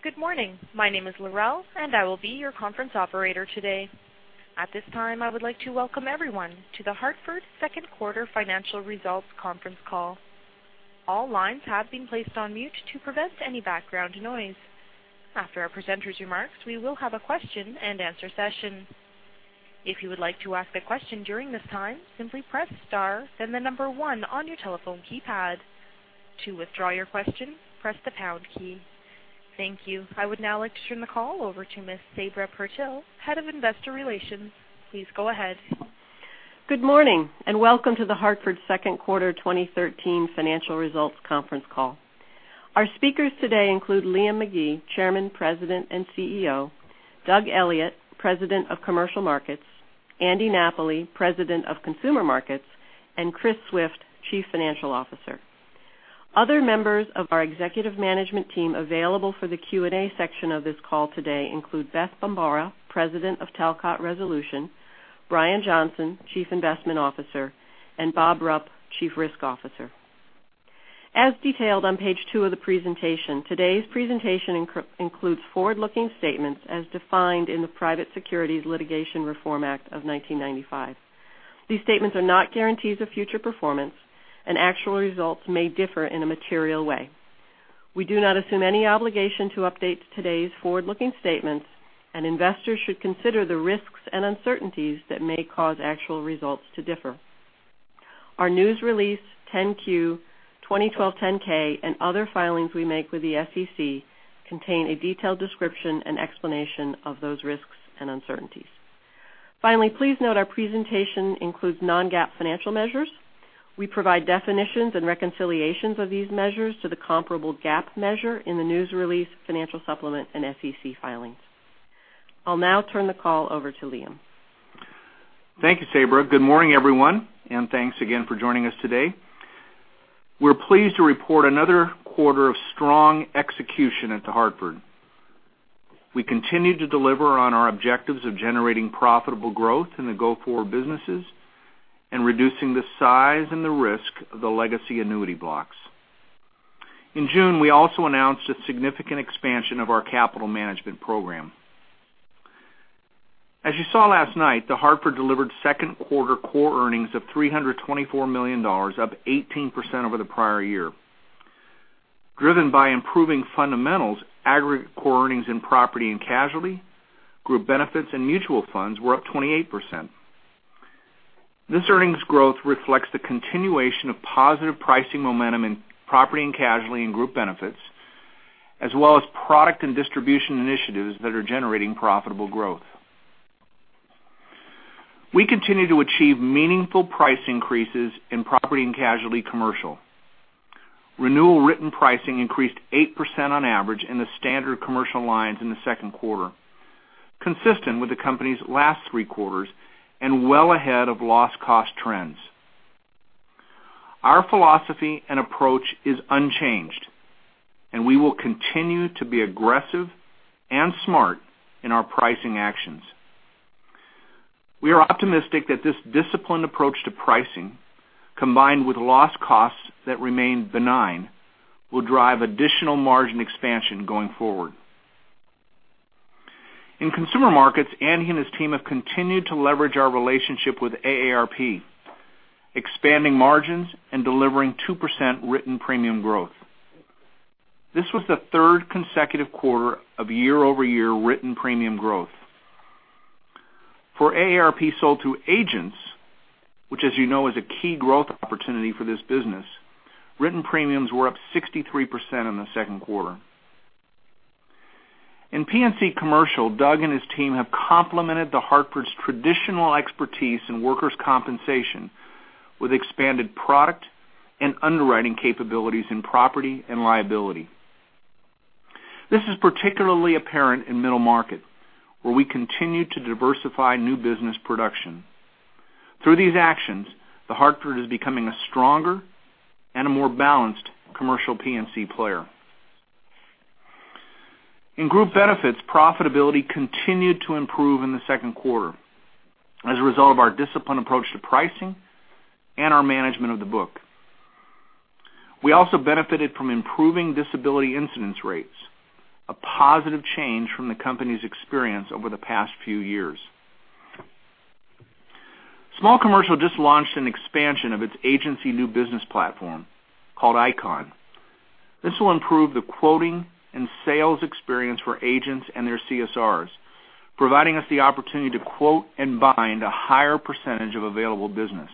Good morning. My name is Laurel, and I will be your conference operator today. At this time, I would like to welcome everyone to The Hartford second quarter financial results conference call. All lines have been placed on mute to prevent any background noise. After our presenters' remarks, we will have a question and answer session. If you would like to ask a question during this time, simply press star, then the number one on your telephone keypad. To withdraw your question, press the pound key. Thank you. I would now like to turn the call over to Ms. Sabra Purtill, Head of Investor Relations. Please go ahead. Good morning, and welcome to The Hartford's second quarter 2013 financial results conference call. Our speakers today include Liam McGee, Chairman, President, and CEO; Doug Elliot, President of Commercial Markets; Andy Napoli, President of Consumer Markets; and Chris Swift, Chief Financial Officer. Other members of our executive management team available for the Q&A section of this call today include Beth Bombara, President of Talcott Resolution; Brion Johnson, Chief Investment Officer; and Bob Rupp, Chief Risk Officer. As detailed on page two of the presentation, today's presentation includes forward-looking statements as defined in the Private Securities Litigation Reform Act of 1995. These statements are not guarantees of future performance, and actual results may differ in a material way. We do not assume any obligation to update today's forward-looking statements, and investors should consider the risks and uncertainties that may cause actual results to differ. Our news release 10-Q, 2012 10-K, and other filings we make with the SEC contain a detailed description and explanation of those risks and uncertainties. Finally, please note our presentation includes non-GAAP financial measures. We provide definitions and reconciliations of these measures to the comparable GAAP measure in the news release, financial supplement, and SEC filings. I'll now turn the call over to Liam. Thank you, Sabra. Good morning, everyone, and thanks again for joining us today. We're pleased to report another quarter of strong execution at The Hartford. We continue to deliver on our objectives of generating profitable growth in the go-forward businesses and reducing the size and the risk of the legacy annuity blocks. In June, we also announced a significant expansion of our capital management program. As you saw last night, The Hartford delivered second quarter core earnings of $324 million, up 18% over the prior year. Driven by improving fundamentals, aggregate core earnings in Property and Casualty, Group Benefits, and mutual funds were up 28%. This earnings growth reflects the continuation of positive pricing momentum in Property and Casualty and Group Benefits, as well as product and distribution initiatives that are generating profitable growth. We continue to achieve meaningful price increases in Property and Casualty Commercial. Renewal written pricing increased 8% on average in the standard commercial lines in the second quarter, consistent with the company's last three quarters and well ahead of loss cost trends. Our philosophy and approach is unchanged. We will continue to be aggressive and smart in our pricing actions. We are optimistic that this disciplined approach to pricing, combined with loss costs that remain benign, will drive additional margin expansion going forward. In Consumer Markets, Andy and his team have continued to leverage our relationship with AARP, expanding margins and delivering 2% written premium growth. This was the third consecutive quarter of year-over-year written premium growth. For AARP sold to agents, which as you know is a key growth opportunity for this business, written premiums were up 63% in the second quarter. In P&C Commercial, Doug and his team have complemented The Hartford's traditional expertise in workers' compensation with expanded product and underwriting capabilities in property and liability. This is particularly apparent in middle market, where we continue to diversify new business production. Through these actions, The Hartford is becoming a stronger and a more balanced commercial P&C player. In group benefits, profitability continued to improve in the second quarter as a result of our disciplined approach to pricing and our management of the book. We also benefited from improving disability incidence rates, a positive change from the company's experience over the past few years. Small commercial just launched an expansion of its agency new business platform called ICON. This will improve the quoting and sales experience for agents and their CSRs, providing us the opportunity to quote and bind a higher percentage of available business.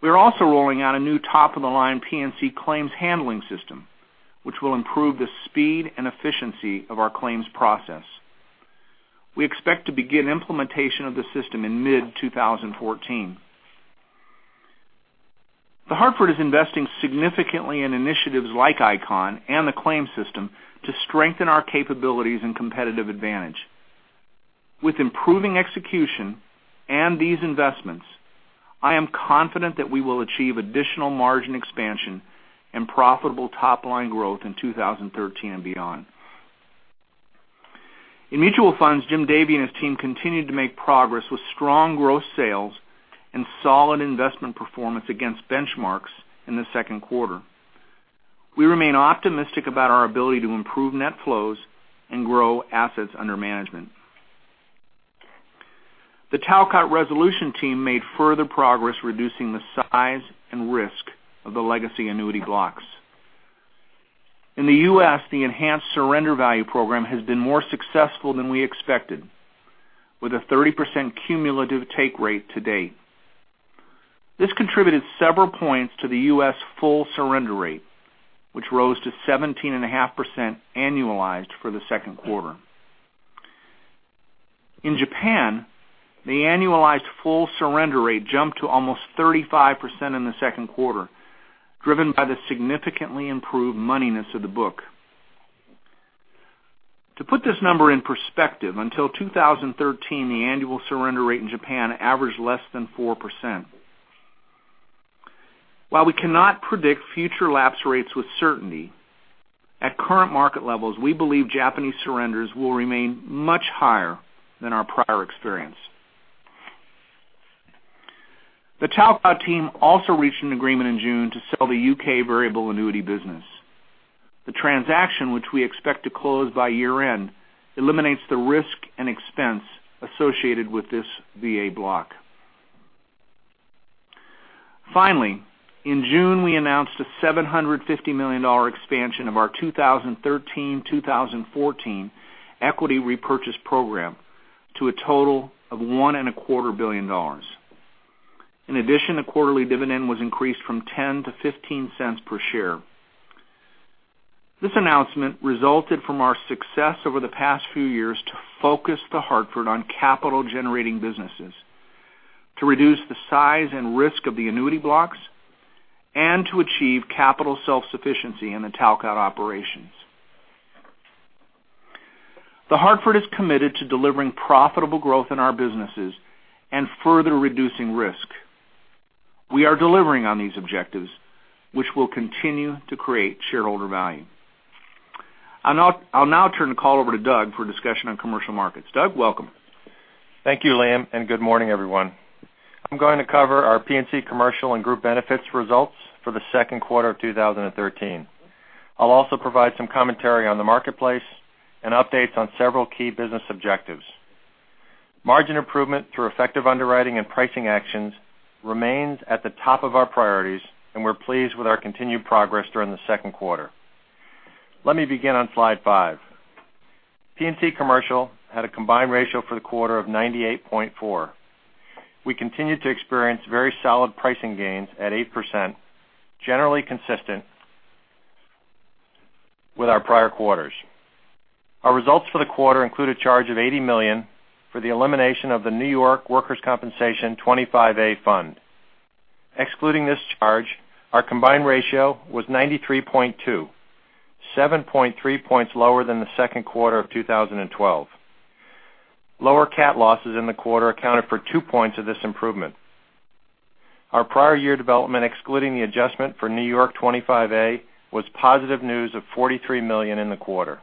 We are also rolling out a new top-of-the-line P&C claims handling system, which will improve the speed and efficiency of our claims process. We expect to begin implementation of the system in mid-2014. The Hartford is investing significantly in initiatives like ICON and the claim system to strengthen our capabilities and competitive advantage. With improving execution and these investments, I am confident that we will achieve additional margin expansion and profitable top-line growth in 2013 and beyond. In mutual funds, James Davey and his team continued to make progress with strong growth sales and solid investment performance against benchmarks in the second quarter. We remain optimistic about our ability to improve net flows and grow assets under management. The Talcott Resolution team made further progress, reducing the size and risk of the legacy annuity blocks. In the U.S., the enhanced surrender value program has been more successful than we expected, with a 30% cumulative take rate to date. This contributed several points to the U.S. full surrender rate, which rose to 17.5% annualized for the second quarter. In Japan, the annualized full surrender rate jumped to almost 35% in the second quarter, driven by the significantly improved moneyness of the book. To put this number in perspective, until 2013, the annual surrender rate in Japan averaged less than 4%. While we cannot predict future lapse rates with certainty, at current market levels, we believe Japanese surrenders will remain much higher than our prior experience. The Talcott team also reached an agreement in June to sell the U.K. variable annuity business. The transaction, which we expect to close by year-end, eliminates the risk and expense associated with this VA block. Finally, in June, we announced a $750 million expansion of our 2013-2014 equity repurchase program to a total of $1.25 billion. A quarterly dividend was increased from $0.10 to $0.15 per share. This announcement resulted from our success over the past few years to focus The Hartford on capital-generating businesses, to reduce the size and risk of the annuity blocks, and to achieve capital self-sufficiency in the Talcott operations. The Hartford is committed to delivering profitable growth in our businesses and further reducing risk. We are delivering on these objectives, which will continue to create shareholder value. I'll now turn the call over to Doug for a discussion on commercial markets. Doug, welcome. Thank you, Liam, and good morning, everyone. I'm going to cover our P&C Commercial and group benefits results for the second quarter of 2013. I'll also provide some commentary on the marketplace and updates on several key business objectives. Margin improvement through effective underwriting and pricing actions remains at the top of our priorities, and we're pleased with our continued progress during the second quarter. Let me begin on slide seven. P&C Commercial had a combined ratio for the quarter of 98.4. We continued to experience very solid pricing gains at 8%, generally consistent with our prior quarters. Our results for the quarter include a charge of $80 million for the elimination of the New York Workers' Compensation 25-a Fund. Excluding this charge, our combined ratio was 93.2, 7.3 points lower than the second quarter of 2012. Lower cat losses in the quarter accounted for two points of this improvement. Our prior year development, excluding the adjustment for New York 25-a, was positive news of $43 million in the quarter.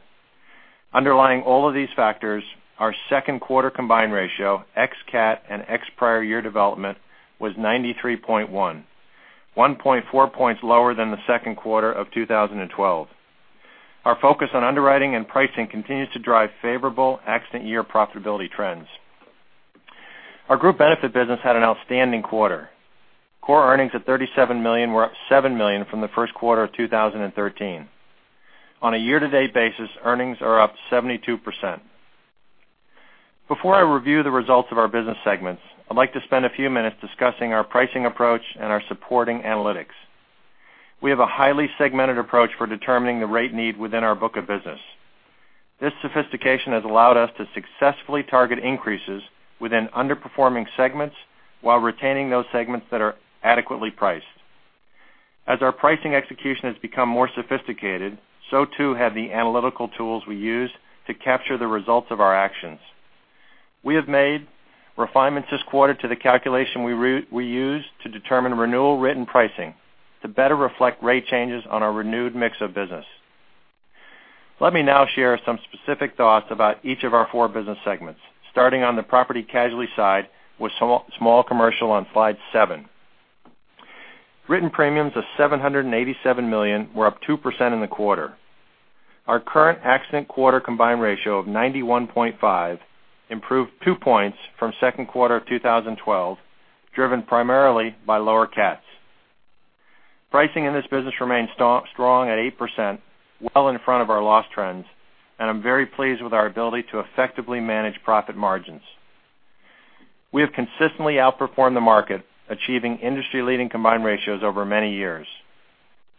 Underlying all of these factors, our second quarter combined ratio, ex cat and ex prior year development, was 93.1.4 points lower than the second quarter of 2012. Our focus on underwriting and pricing continues to drive favorable accident year profitability trends. Our group benefit business had an outstanding quarter. Core earnings of $37 million were up $7 million from the first quarter of 2013. On a year-to-date basis, earnings are up 72%. Before I review the results of our business segments, I'd like to spend a few minutes discussing our pricing approach and our supporting analytics. We have a highly segmented approach for determining the rate need within our book of business. This sophistication has allowed us to successfully target increases within underperforming segments while retaining those segments that are adequately priced. As our pricing execution has become more sophisticated, so too have the analytical tools we use to capture the results of our actions. We have made refinements this quarter to the calculation we use to determine renewal written pricing to better reflect rate changes on our renewed mix of business. Let me now share some specific thoughts about each of our four business segments, starting on the property casualty side with small commercial on slide seven. Written premiums of $787 million were up 2% in the quarter. Our current accident quarter combined ratio of 91.5 improved two points from second quarter of 2012, driven primarily by lower cats. Pricing in this business remains strong at 8%, well in front of our loss trends, and I'm very pleased with our ability to effectively manage profit margins. We have consistently outperformed the market, achieving industry-leading combined ratios over many years.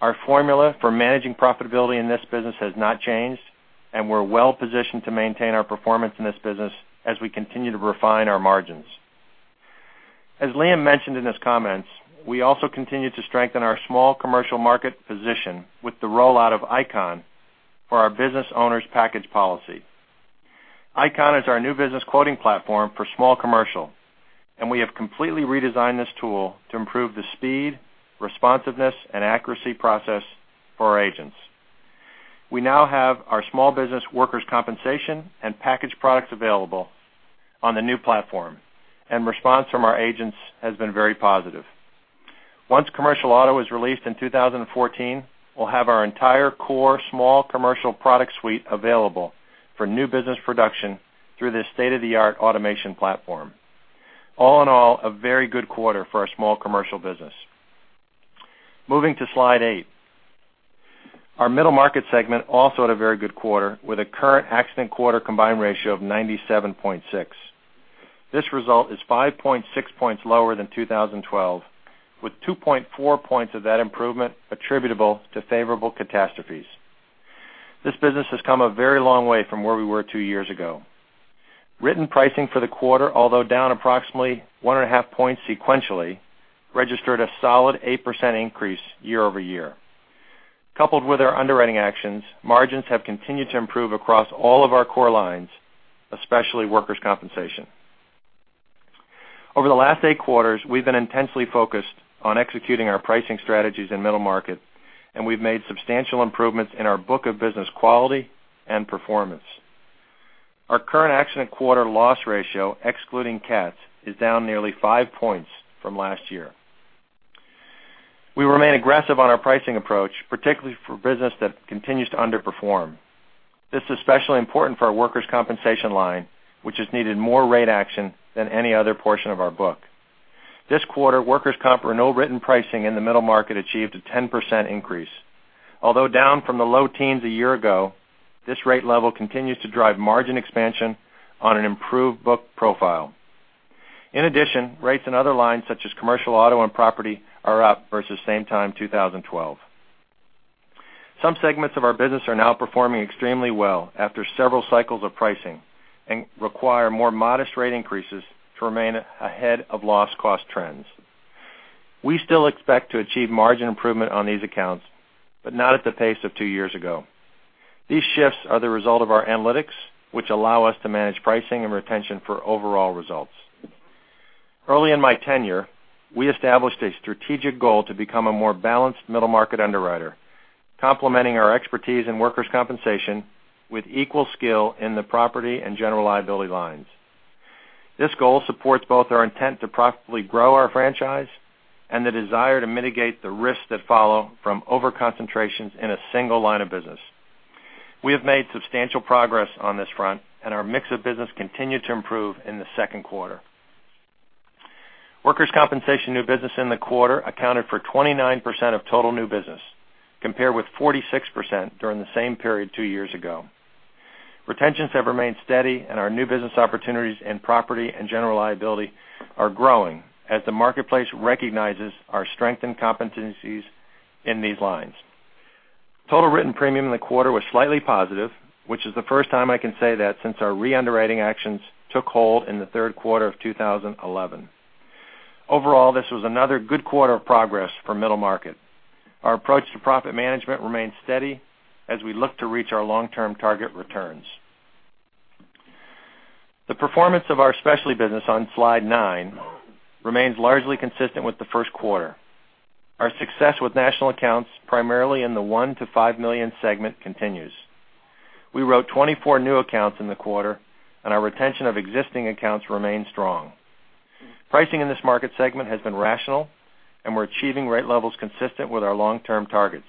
Our formula for managing profitability in this business has not changed, and we're well positioned to maintain our performance in this business as we continue to refine our margins. As Liam McGee mentioned in his comments, we also continue to strengthen our small commercial market position with the rollout of ICON for our business owners package policy. ICON is our new business quoting platform for small commercial. We have completely redesigned this tool to improve the speed, responsiveness, and accuracy process for our agents. We now have our small business workers' compensation and package products available on the new platform, and response from our agents has been very positive. Once commercial auto is released in 2014, we'll have our entire core small commercial product suite available for new business production through this state-of-the-art automation platform. All in all, a very good quarter for our small commercial business. Moving to slide eight. Our middle market segment also had a very good quarter, with a current accident quarter combined ratio of 97.6. This result is 5.6 points lower than 2012, with 2.4 points of that improvement attributable to favorable catastrophes. This business has come a very long way from where we were two years ago. Written pricing for the quarter, although down approximately one and a half points sequentially, registered a solid 8% increase year-over-year. Coupled with our underwriting actions, margins have continued to improve across all of our core lines, especially workers' compensation. Over the last eight quarters, we've been intensely focused on executing our pricing strategies in middle market, and we've made substantial improvements in our book of business quality and performance. Our current accident quarter loss ratio, excluding cats, is down nearly five points from last year. We remain aggressive on our pricing approach, particularly for business that continues to underperform. This is especially important for our workers' compensation line, which has needed more rate action than any other portion of our book. This quarter, workers' comp renewal written pricing in the middle market achieved a 10% increase. Although down from the low teens a year ago, this rate level continues to drive margin expansion on an improved book profile. In addition, rates in other lines, such as commercial auto and property, are up versus same time 2012. Some segments of our business are now performing extremely well after several cycles of pricing and require more modest rate increases to remain ahead of loss cost trends. We still expect to achieve margin improvement on these accounts, but not at the pace of two years ago. These shifts are the result of our analytics, which allow us to manage pricing and retention for overall results. Early in my tenure, we established a strategic goal to become a more balanced middle market underwriter, complementing our expertise in workers' compensation with equal skill in the property and general liability lines. This goal supports both our intent to profitably grow our franchise and the desire to mitigate the risks that follow from over-concentrations in a single line of business. We have made substantial progress on this front, and our mix of business continued to improve in the second quarter. Workers' compensation new business in the quarter accounted for 29% of total new business, compared with 46% during the same period two years ago. Retentions have remained steady, and our new business opportunities in property and general liability are growing as the marketplace recognizes our strength and competencies in these lines. Total written premium in the quarter was slightly positive, which is the first time I can say that since our re-underwriting actions took hold in the third quarter of 2011. Overall, this was another good quarter of progress for middle market. Our approach to profit management remains steady as we look to reach our long-term target returns. The performance of our specialty business on slide nine remains largely consistent with the first quarter. Our success with national accounts, primarily in the one to $5 million segment, continues. We wrote 24 new accounts in the quarter, and our retention of existing accounts remains strong. Pricing in this market segment has been rational, and we're achieving rate levels consistent with our long-term targets.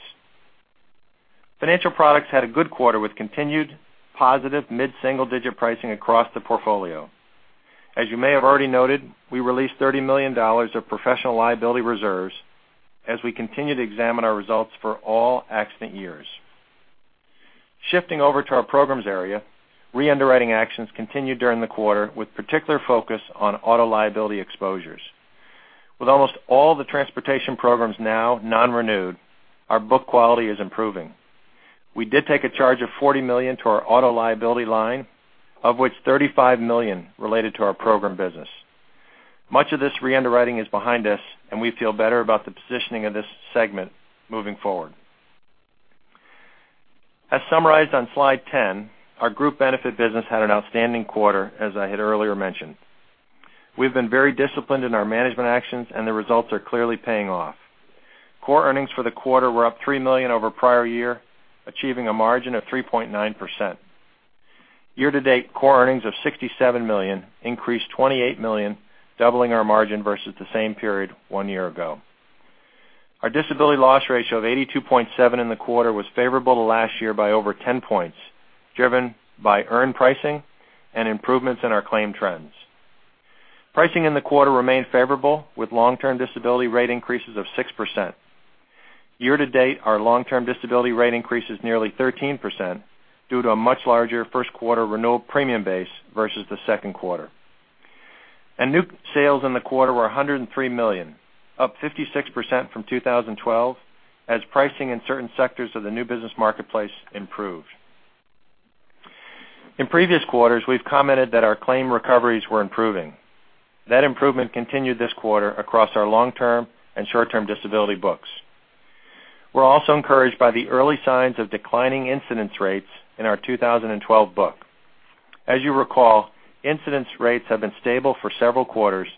Financial products had a good quarter, with continued positive mid-single-digit pricing across the portfolio. As you may have already noted, we released $30 million of professional liability reserves as we continue to examine our results for all accident years. Shifting over to our programs area, re-underwriting actions continued during the quarter, with particular focus on auto liability exposures. With almost all the transportation programs now non-renewed, our book quality is improving. We did take a charge of $40 million to our auto liability line, of which $35 million related to our program business. Much of this re-underwriting is behind us, and we feel better about the positioning of this segment moving forward. As summarized on slide 10, our group benefit business had an outstanding quarter, as I had earlier mentioned. We've been very disciplined in our management actions, and the results are clearly paying off. Core earnings for the quarter were up $3 million over prior year, achieving a margin of 3.9%. Year to date, core earnings of $67 million increased $28 million, doubling our margin versus the same period one year ago. Our disability loss ratio of 82.7 in the quarter was favorable to last year by over 10 points, driven by earned pricing and improvements in our claim trends. Pricing in the quarter remained favorable, with long-term disability rate increases of 6%. Year to date, our long-term disability rate increase is nearly 13% due to a much larger first quarter renewal premium base versus the second quarter. New sales in the quarter were $103 million, up 56% from 2012, as pricing in certain sectors of the new business marketplace improved. In previous quarters, we've commented that our claim recoveries were improving. That improvement continued this quarter across our long-term and short-term disability books. We're also encouraged by the early signs of declining incidence rates in our 2012 book. As you recall, incidence rates have been stable for several quarters,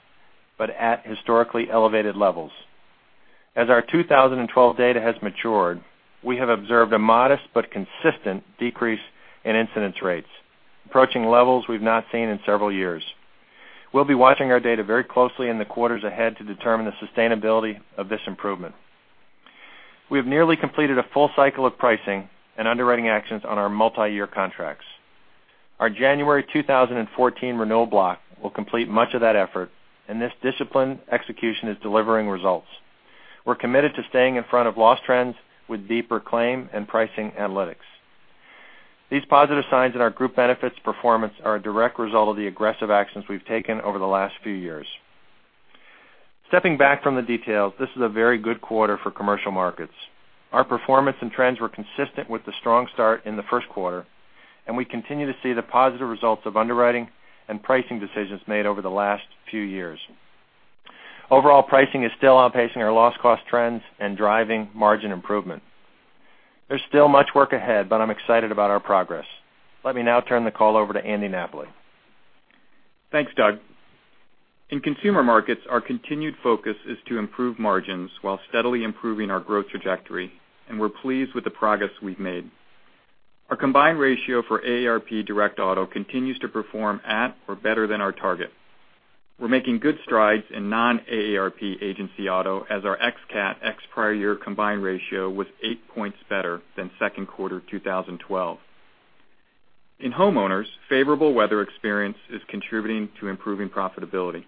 but at historically elevated levels. As our 2012 data has matured, we have observed a modest but consistent decrease in incidence rates, approaching levels we've not seen in several years. We'll be watching our data very closely in the quarters ahead to determine the sustainability of this improvement. We have nearly completed a full cycle of pricing and underwriting actions on our multiyear contracts. Our January 2014 renewal block will complete much of that effort. This disciplined execution is delivering results. We're committed to staying in front of loss trends with deeper claim and pricing analytics. These positive signs in our group benefits performance are a direct result of the aggressive actions we've taken over the last few years. Stepping back from the details, this is a very good quarter for Commercial Markets. Our performance and trends were consistent with the strong start in the first quarter, and we continue to see the positive results of underwriting and pricing decisions made over the last few years. Overall, pricing is still outpacing our loss cost trends and driving margin improvement. There's still much work ahead, I'm excited about our progress. Let me now turn the call over to Andy Napoli. Thanks, Doug. In Consumer Markets, our continued focus is to improve margins while steadily improving our growth trajectory, and we're pleased with the progress we've made. Our combined ratio for AARP Direct Auto continues to perform at or better than our target. We're making good strides in non-AARP agency auto as our ex-CAT, ex-prior year combined ratio was eight points better than second quarter 2012. In homeowners, favorable weather experience is contributing to improving profitability.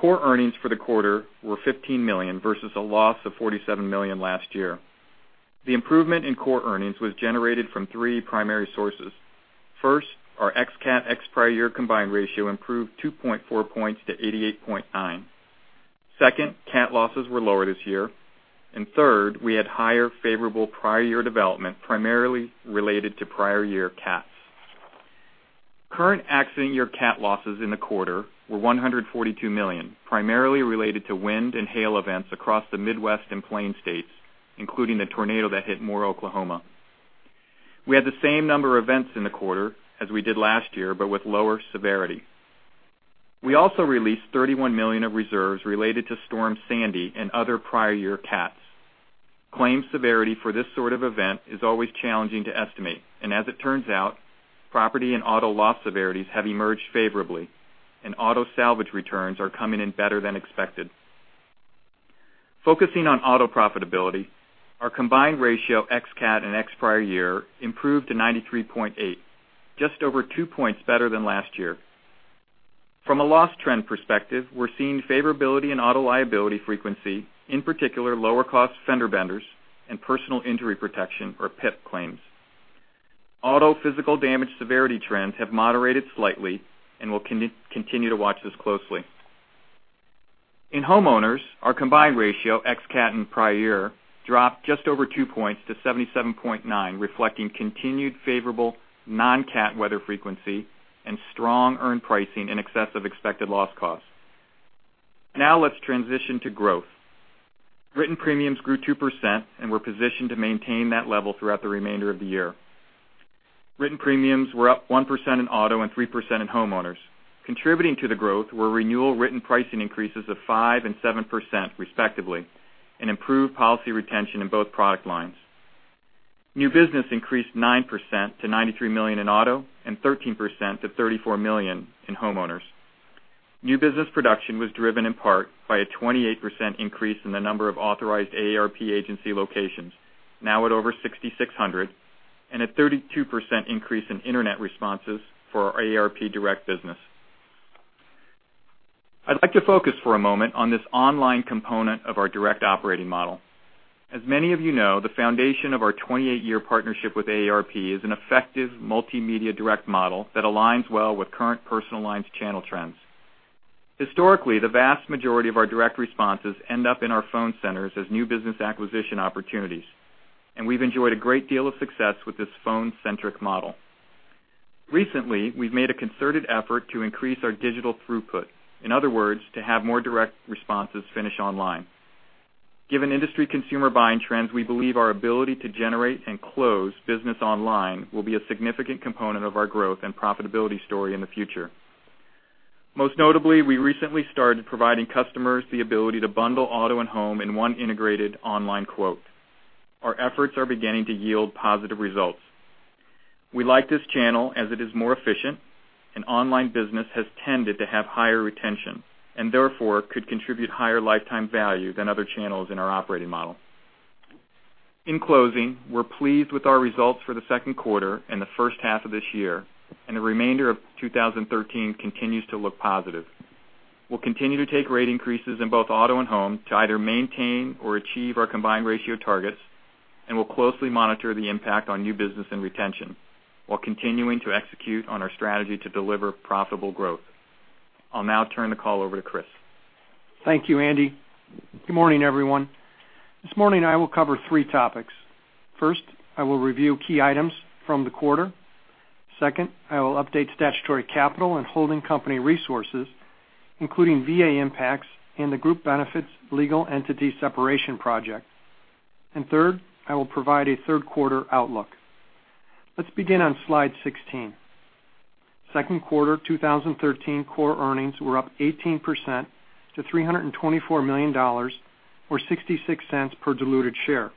Core earnings for the quarter were $15 million versus a loss of $47 million last year. The improvement in core earnings was generated from three primary sources. First, our ex-CAT, ex-prior year combined ratio improved 2.4 points to 88.9. Second, CAT losses were lower this year. Third, we had higher favorable prior year development, primarily related to prior year CATs. Current accident year CAT losses in the quarter were $142 million, primarily related to wind and hail events across the Midwest and Plains states, including the tornado that hit Moore, Oklahoma. We had the same number of events in the quarter as we did last year, but with lower severity. We also released $31 million of reserves related to Storm Sandy and other prior year CATs. Claims severity for this sort of event is always challenging to estimate, and as it turns out, property and auto loss severities have emerged favorably, and auto salvage returns are coming in better than expected. Focusing on auto profitability, our combined ratio, ex-CAT and ex-prior year, improved to 93.8, just over two points better than last year. From a loss trend perspective, we're seeing favorability in auto liability frequency, in particular, lower cost fender benders and Personal Injury Protection, or PIP claims. Auto physical damage severity trends have moderated slightly and we'll continue to watch this closely. In homeowners, our combined ratio, ex-CAT and prior year, dropped just over two points to 77.9, reflecting continued favorable non-CAT weather frequency and strong earned pricing in excess of expected loss costs. Let's transition to growth. Written premiums grew 2%. We're positioned to maintain that level throughout the remainder of the year. Written premiums were up 1% in auto and 3% in homeowners. Contributing to the growth were renewal written pricing increases of 5% and 7%, respectively, and improved policy retention in both product lines. New business increased 9% to $33 million in auto and 13% to $34 million in homeowners. New business production was driven in part by a 28% increase in the number of authorized AARP agency locations, now at over 6,600, and a 32% increase in internet responses for our AARP Direct business. I'd like to focus for a moment on this online component of our direct operating model. As many of you know, the foundation of our 28-year partnership with AARP is an effective multimedia direct model that aligns well with current personal lines channel trends. Historically, the vast majority of our direct responses end up in our phone centers as new business acquisition opportunities, and we've enjoyed a great deal of success with this phone-centric model. Recently, we've made a concerted effort to increase our digital throughput, in other words, to have more direct responses finish online. Given industry consumer buying trends, we believe our ability to generate and close business online will be a significant component of our growth and profitability story in the future. Most notably, we recently started providing customers the ability to bundle auto and home in one integrated online quote. Our efforts are beginning to yield positive results. We like this channel as it is more efficient, and online business has tended to have higher retention, and therefore, could contribute higher lifetime value than other channels in our operating model. In closing, we're pleased with our results for the second quarter and the first half of this year, and the remainder of 2013 continues to look positive. We'll continue to take rate increases in both auto and home to either maintain or achieve our combined ratio targets, and we'll closely monitor the impact on new business and retention while continuing to execute on our strategy to deliver profitable growth. I'll now turn the call over to Chris. Thank you, Andy. Good morning, everyone. This morning, I will cover three topics. First, I will review key items from the quarter. Second, I will update statutory capital and holding company resources, including VA impacts and the group benefits legal entity separation project. Third, I will provide a third quarter outlook. Let's begin on slide 16. Second quarter 2013 core earnings were up 18% to $324 million, or $0.66 per diluted share.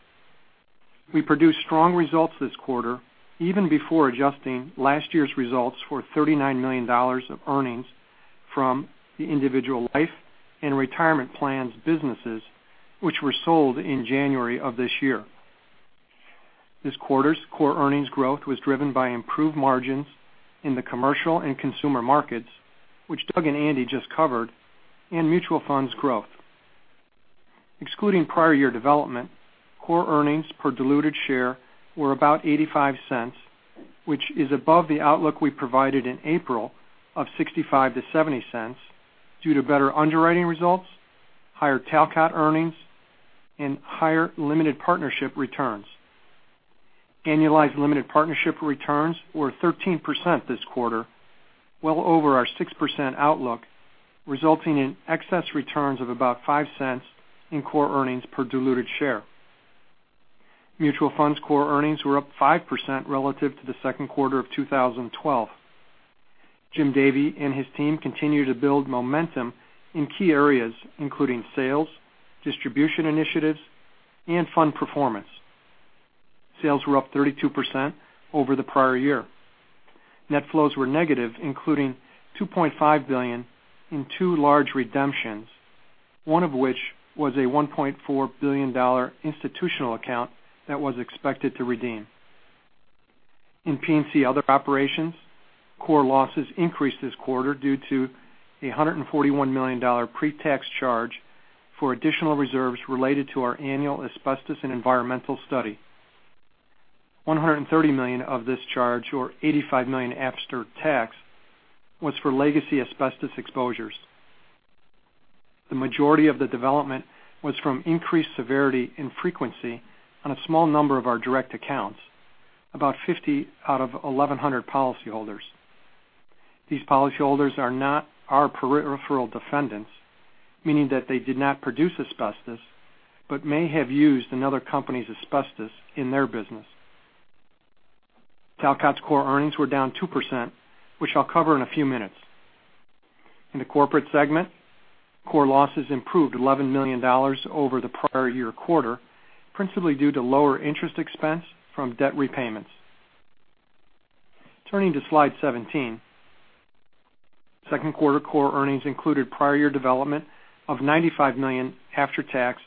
We produced strong results this quarter even before adjusting last year's results for $39 million of earnings from the individual life and retirement plans businesses, which were sold in January of this year. This quarter's core earnings growth was driven by improved margins in the Commercial and Consumer Markets, which Doug and Andy just covered, and mutual funds growth. Excluding prior year development, core earnings per diluted share were about $0.85, which is above the outlook we provided in April of $0.65-$0.70 due to better underwriting results, higher Talcott earnings, and higher limited partnership returns. Annualized limited partnership returns were 13% this quarter, well over our 6% outlook, resulting in excess returns of about $0.05 in core earnings per diluted share. Mutual funds core earnings were up 5% relative to the second quarter of 2012. Jim Davey and his team continue to build momentum in key areas, including sales, distribution initiatives, and fund performance. Sales were up 32% over the prior year. Net flows were negative, including $2.5 billion in two large redemptions, one of which was a $1.4 billion institutional account that was expected to redeem. In P&C Other Operations, core losses increased this quarter due to a $141 million pre-tax charge for additional reserves related to our annual asbestos and environmental study. $130 million of this charge, or $85 million after tax, was for legacy asbestos exposures. The majority of the development was from increased severity and frequency on a small number of our direct accounts, about 50 out of 1,100 policyholders. These policyholders are not our peripheral defendants, meaning that they did not produce asbestos but may have used another company's asbestos in their business. Talcott's core earnings were down 2%, which I'll cover in a few minutes. In the corporate segment, core losses improved $11 million over the prior year quarter, principally due to lower interest expense from debt repayments. Turning to slide 17. Second quarter core earnings included prior year development of $95 million after tax,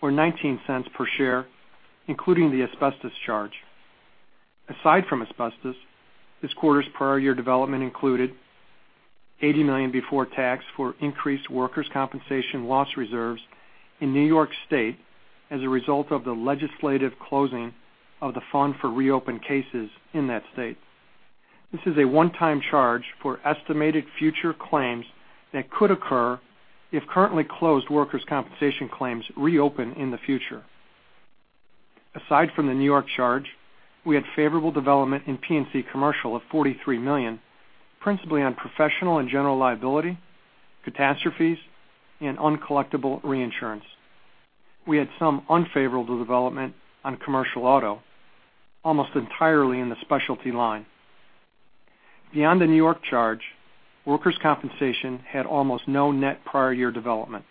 or $0.19 per share, including the asbestos charge. Aside from asbestos, this quarter's prior year development included $80 million before tax for increased workers' compensation loss reserves in New York State as a result of the legislative closing of the fund for reopened cases in that state. This is a one-time charge for estimated future claims that could occur if currently closed workers' compensation claims reopen in the future. Aside from the New York charge, we had favorable development in P&C Commercial of $43 million, principally on professional and general liability, catastrophes, and uncollectible reinsurance. We had some unfavorable development on commercial auto, almost entirely in the specialty line. Beyond the New York charge, workers' compensation had almost no net prior year development.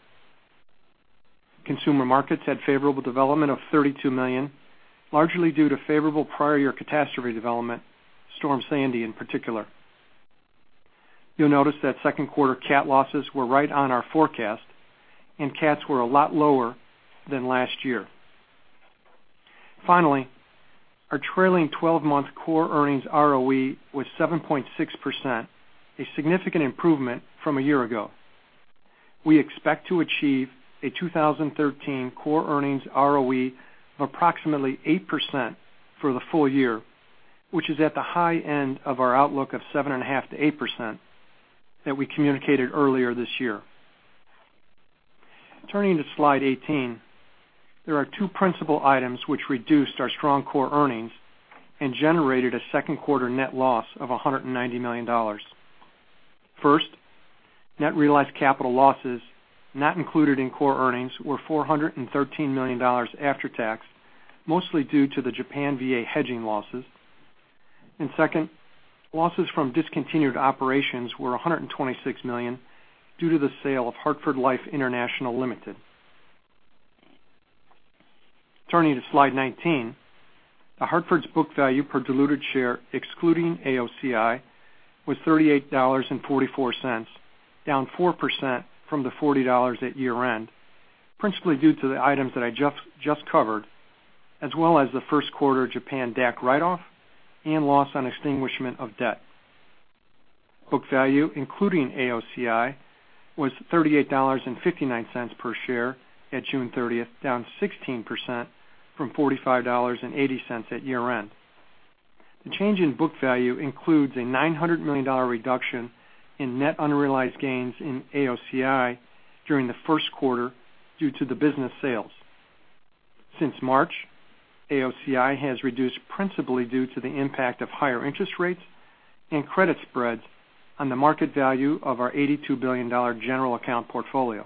Consumer Markets had favorable development of $32 million, largely due to favorable prior year catastrophe development, Storm Sandy in particular. You'll notice that second quarter cat losses were right on our forecast, and cats were a lot lower than last year. Finally, our trailing 12-month core earnings ROE was 7.6%, a significant improvement from a year ago. We expect to achieve a 2013 core earnings ROE of approximately 8% for the full year, which is at the high end of our outlook of 7.5%-8% that we communicated earlier this year. Turning to slide 18. There are two principal items which reduced our strong core earnings and generated a second quarter net loss of $190 million. First, net realized capital losses not included in core earnings were $413 million after tax, mostly due to the Japan VA hedging losses. Second, losses from discontinued operations were $126 million due to the sale of Hartford Life International Limited. Turning to slide 19. The Hartford's book value per diluted share excluding AOCI was $38.44, down 4% from the $40 at year-end, principally due to the items that I just covered, as well as the first quarter Japan DAC write-off and loss on extinguishment of debt. Book value, including AOCI, was $38.59 per share at June 30th, down 16% from $45.80 at year-end. The change in book value includes a $900 million reduction in net unrealized gains in AOCI during the first quarter due to the business sales. Since March, AOCI has reduced principally due to the impact of higher interest rates and credit spreads on the market value of our $82 billion general account portfolio.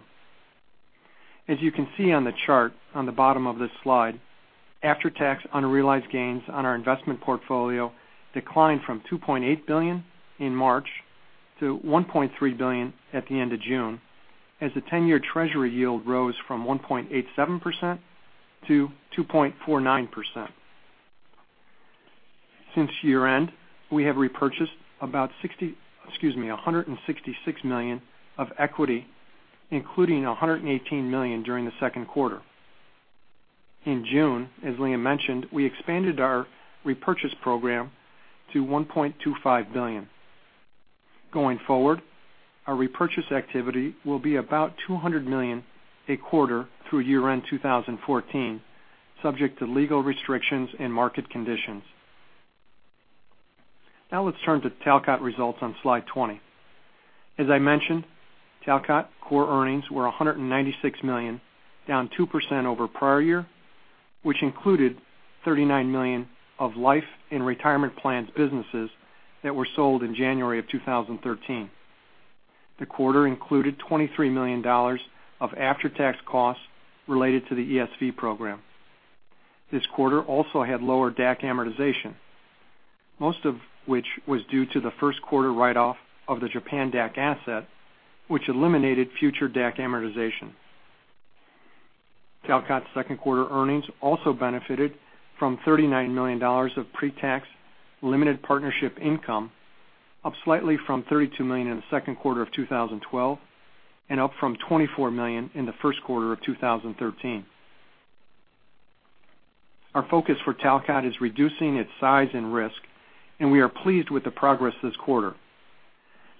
As you can see on the chart on the bottom of this slide, after-tax unrealized gains on our investment portfolio declined from $2.8 billion in March to $1.3 billion at the end of June, as the 10-year Treasury yield rose from 1.87% to 2.49%. Since year-end, we have repurchased about $166 million of equity, including $118 million during the second quarter. In June, as Liam mentioned, we expanded our repurchase program to $1.25 billion. Going forward, our repurchase activity will be about $200 million a quarter through year-end 2014, subject to legal restrictions and market conditions. Let's turn to Talcott results on slide 20. As I mentioned, Talcott core earnings were $196 million, down 2% over prior year, which included $39 million of life and retirement plans businesses that were sold in January of 2013. The quarter included $23 million of after-tax costs related to the ESV program. This quarter also had lower DAC amortization, most of which was due to the first quarter write-off of the Japan DAC asset, which eliminated future DAC amortization. Talcott's second quarter earnings also benefited from $39 million of pre-tax limited partnership income, up slightly from $32 million in the second quarter of 2012, and up from $24 million in the first quarter of 2013. Our focus for Talcott is reducing its size and risk, and we are pleased with the progress this quarter.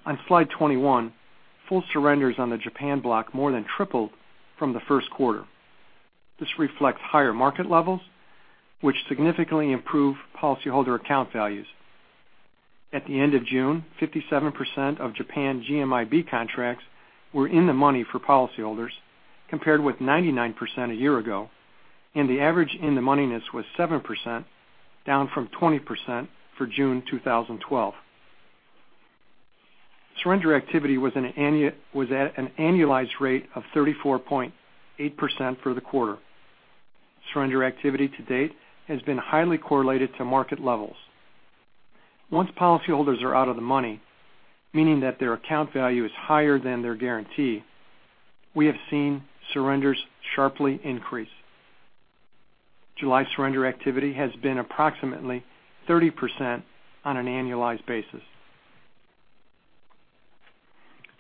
On slide 21, full surrenders on the Japan block more than tripled from the first quarter. This reflects higher market levels, which significantly improve policyholder account values. At the end of June, 57% of Japan GMIB contracts were in the money for policyholders, compared with 99% a year ago, and the average in the moneyness was 7%, down from 20% for June 2012. Surrender activity was at an annualized rate of 34.8% for the quarter. Surrender activity to date has been highly correlated to market levels. Once policyholders are out of the money, meaning that their account value is higher than their guarantee, we have seen surrenders sharply increase. July surrender activity has been approximately 30% on an annualized basis.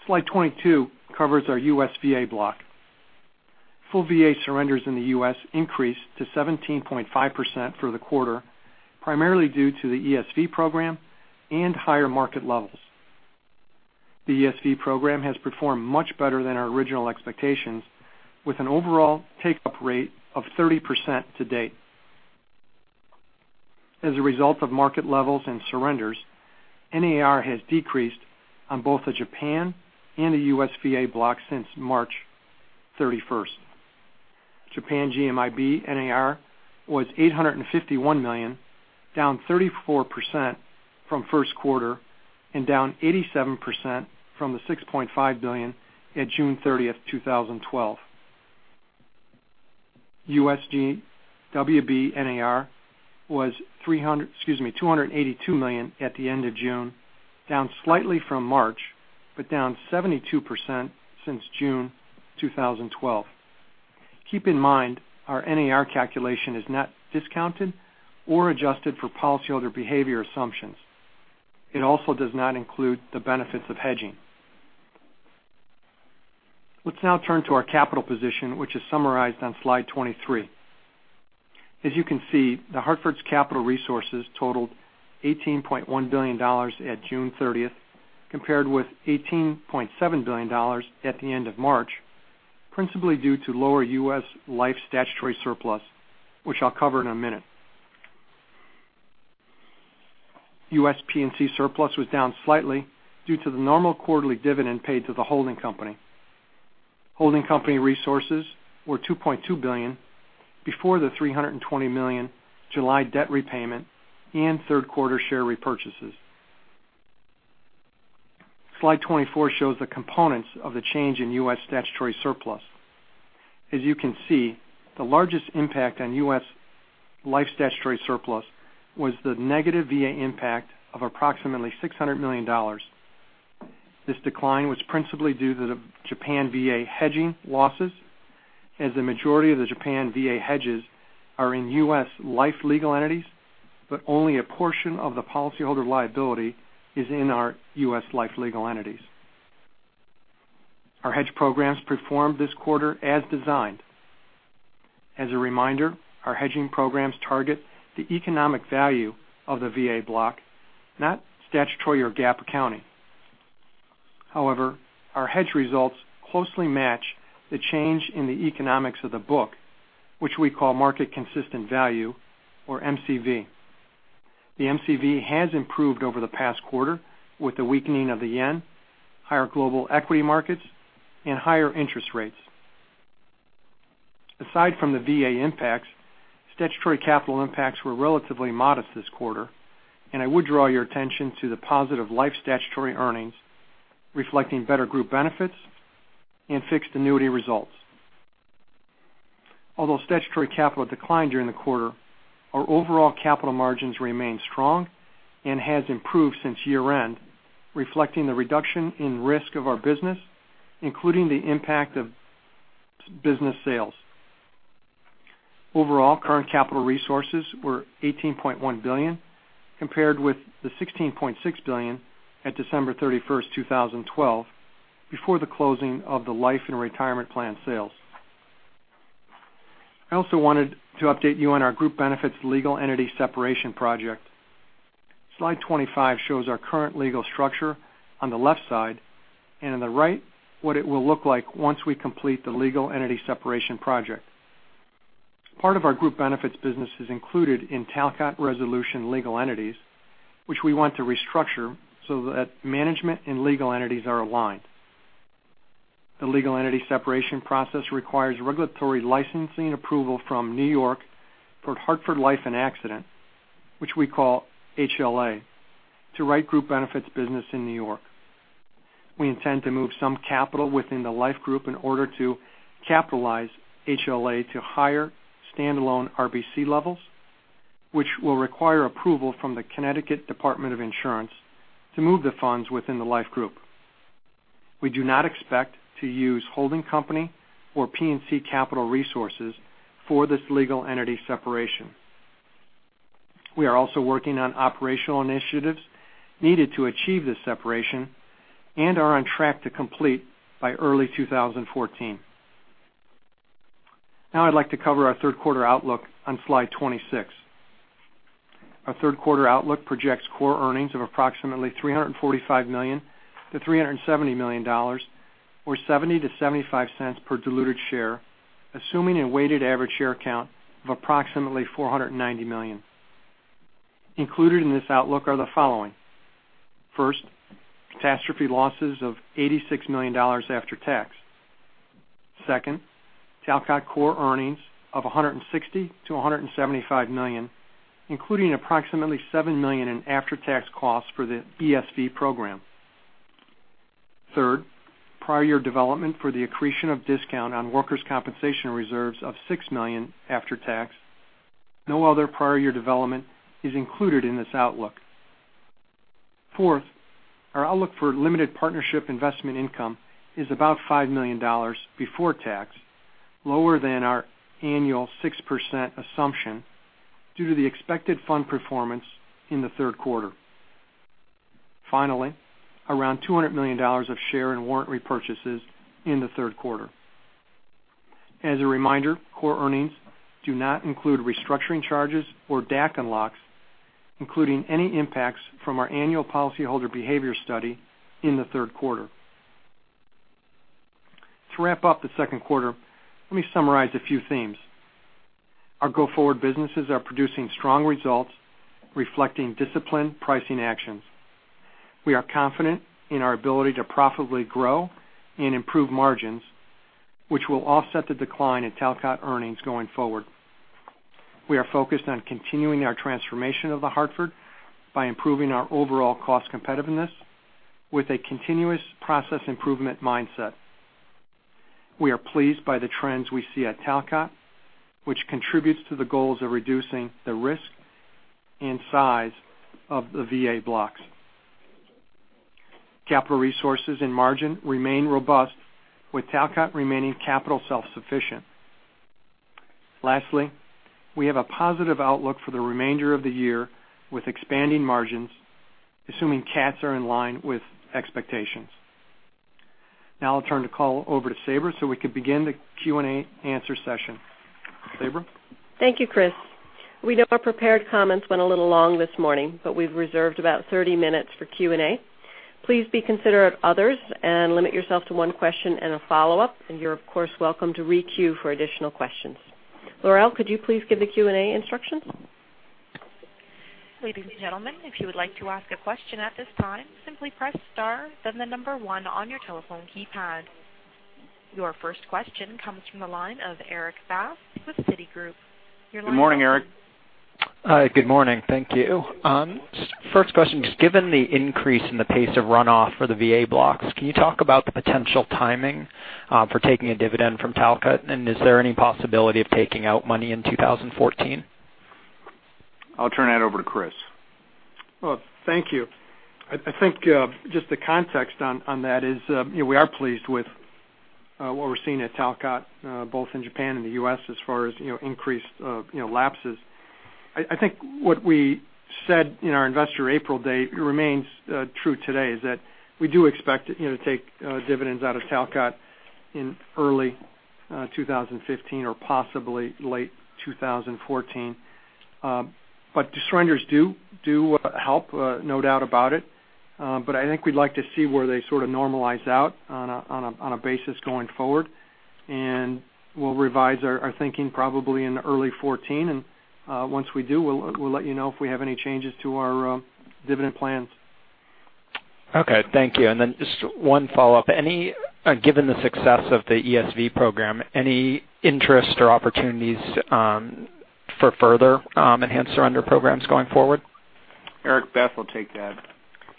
Slide 22 covers our U.S. VA block. Full VA surrenders in the U.S. increased to 17.5% for the quarter, primarily due to the ESV program and higher market levels. The ESV program has performed much better than our original expectations, with an overall take-up rate of 30% to date. As a result of market levels and surrenders, NAR has decreased on both the Japan and the U.S. VA block since March 31st. Japan GMIB NAR was $851 million, down 34% from first quarter, and down 87% from the $6.5 billion at June 30th, 2012. U.S. WB NAR was $282 million at the end of June, down slightly from March, but down 72% since June 2012. Keep in mind our NAR calculation is not discounted or adjusted for policyholder behavior assumptions. It also does not include the benefits of hedging. Let's now turn to our capital position, which is summarized on slide 23. As you can see, The Hartford's capital resources totaled $18.1 billion at June 30th, compared with $18.7 billion at the end of March, principally due to lower U.S. life statutory surplus, which I'll cover in a minute. U.S. P&C surplus was down slightly due to the normal quarterly dividend paid to the holding company. Holding company resources were $2.2 billion before the $320 million July debt repayment and third quarter share repurchases. Slide 24 shows the components of the change in U.S. statutory surplus. As you can see, the largest impact on U.S. life statutory surplus was the negative VA impact of approximately $600 million. This decline was principally due to the Japan VA hedging losses, as the majority of the Japan VA hedges are in U.S. life legal entities, but only a portion of the policyholder liability is in our U.S. life legal entities. Our hedge programs performed this quarter as designed. As a reminder, our hedging programs target the economic value of the VA block, not statutory or GAAP accounting. However, our hedge results closely match the change in the economics of the book, which we call market consistent value, or MCV. The MCV has improved over the past quarter with the weakening of the yen, higher global equity markets, and higher interest rates. Aside from the VA impacts, statutory capital impacts were relatively modest this quarter. I would draw your attention to the positive life statutory earnings, reflecting better group benefits and fixed annuity results. Although statutory capital declined during the quarter, our overall capital margins remain strong and have improved since year-end, reflecting the reduction in risk of our business, including the impact of business sales. Overall, current capital resources were $18.1 billion, compared with the $16.6 billion at December 31st, 2012, before the closing of the life and retirement plan sales. I also wanted to update you on our group benefits legal entity separation project. Slide 25 shows our current legal structure on the left side, and on the right, what it will look like once we complete the legal entity separation project. Part of our group benefits business is included in Talcott Resolution legal entities, which we want to restructure so that management and legal entities are aligned. The legal entity separation process requires regulatory licensing approval from New York for Hartford Life and Accident, which we call HLA, to write group benefits business in New York. We intend to move some capital within the life group in order to capitalize HLA to higher standalone RBC levels, which will require approval from the Connecticut Insurance Department to move the funds within the life group. We do not expect to use holding company or P&C capital resources for this legal entity separation. We are also working on operational initiatives needed to achieve this separation and are on track to complete by early 2014. Now I'd like to cover our third quarter outlook on slide 26. Our third quarter outlook projects core earnings of approximately $345 million-$370 million, or $0.70-$0.75 per diluted share, assuming a weighted average share count of approximately 490 million. Included in this outlook are the following. First, catastrophe losses of $86 million after tax. Second, Talcott core earnings of $160 million-$175 million, including approximately $7 million in after-tax costs for the ESV program. Third, prior year development for the accretion of discount on workers' compensation reserves of $6 million after tax. No other prior year development is included in this outlook. Fourth, our outlook for limited partnership investment income is about $5 million before tax, lower than our annual 6% assumption due to the expected fund performance in the third quarter. Around $200 million of share and warrant repurchases in the third quarter. As a reminder, core earnings do not include restructuring charges or DAC unlocks, including any impacts from our annual policyholder behavior study in the third quarter. To wrap up the second quarter, let me summarize a few themes. Our go-forward businesses are producing strong results reflecting disciplined pricing actions. We are confident in our ability to profitably grow and improve margins, which will offset the decline in Talcott earnings going forward. We are focused on continuing our transformation of The Hartford by improving our overall cost competitiveness with a continuous process improvement mindset. We are pleased by the trends we see at Talcott, which contributes to the goals of reducing the risk and size of the VA blocks. Capital resources and margin remain robust, with Talcott remaining capital self-sufficient. We have a positive outlook for the remainder of the year with expanding margins, assuming cats are in line with expectations. Now I'll turn the call over to Sabra so we can begin the Q&A answer session. Sabra? Thank you, Chris. We know our prepared comments went a little long this morning, but we've reserved about 30 minutes for Q&A. Please be considerate of others and limit yourself to one question and a follow-up, and you're of course welcome to re-queue for additional questions. Laurel, could you please give the Q&A instructions? Ladies and gentlemen, if you would like to ask a question at this time, simply press star, then the number one on your telephone keypad. Your first question comes from the line of Erik Bass with Citigroup. Your line is open. Good morning, Erik. Good morning. Thank you. First question, just given the increase in the pace of runoff for the VA blocks, can you talk about the potential timing for taking a dividend from Talcott? Is there any possibility of taking out money in 2014? I'll turn that over to Chris. Well, thank you. I think just the context on that is we are pleased with what we're seeing at Talcott, both in Japan and the U.S., as far as increased lapses. I think what we said in our investor April date remains true today, is that we do expect to take dividends out of Talcott in early 2015 or possibly late 2014. The surrenders do help, no doubt about it. I think we'd like to see where they sort of normalize out on a basis going forward. We'll revise our thinking probably in early 2014, and once we do, we'll let you know if we have any changes to our dividend plans. Okay, thank you. Then just one follow-up. Given the success of the ESV program, any interest or opportunities for further enhanced surrender programs going forward? Erik, Beth will take that.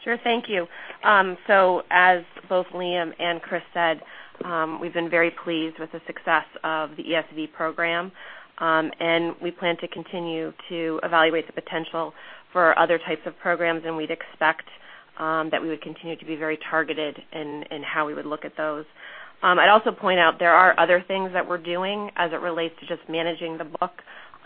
Sure. Thank you. As both Liam and Chris said, we've been very pleased with the success of the ESV program, and we plan to continue to evaluate the potential for other types of programs. We'd expect that we would continue to be very targeted in how we would look at those. I'd also point out there are other things that we're doing as it relates to just managing the book,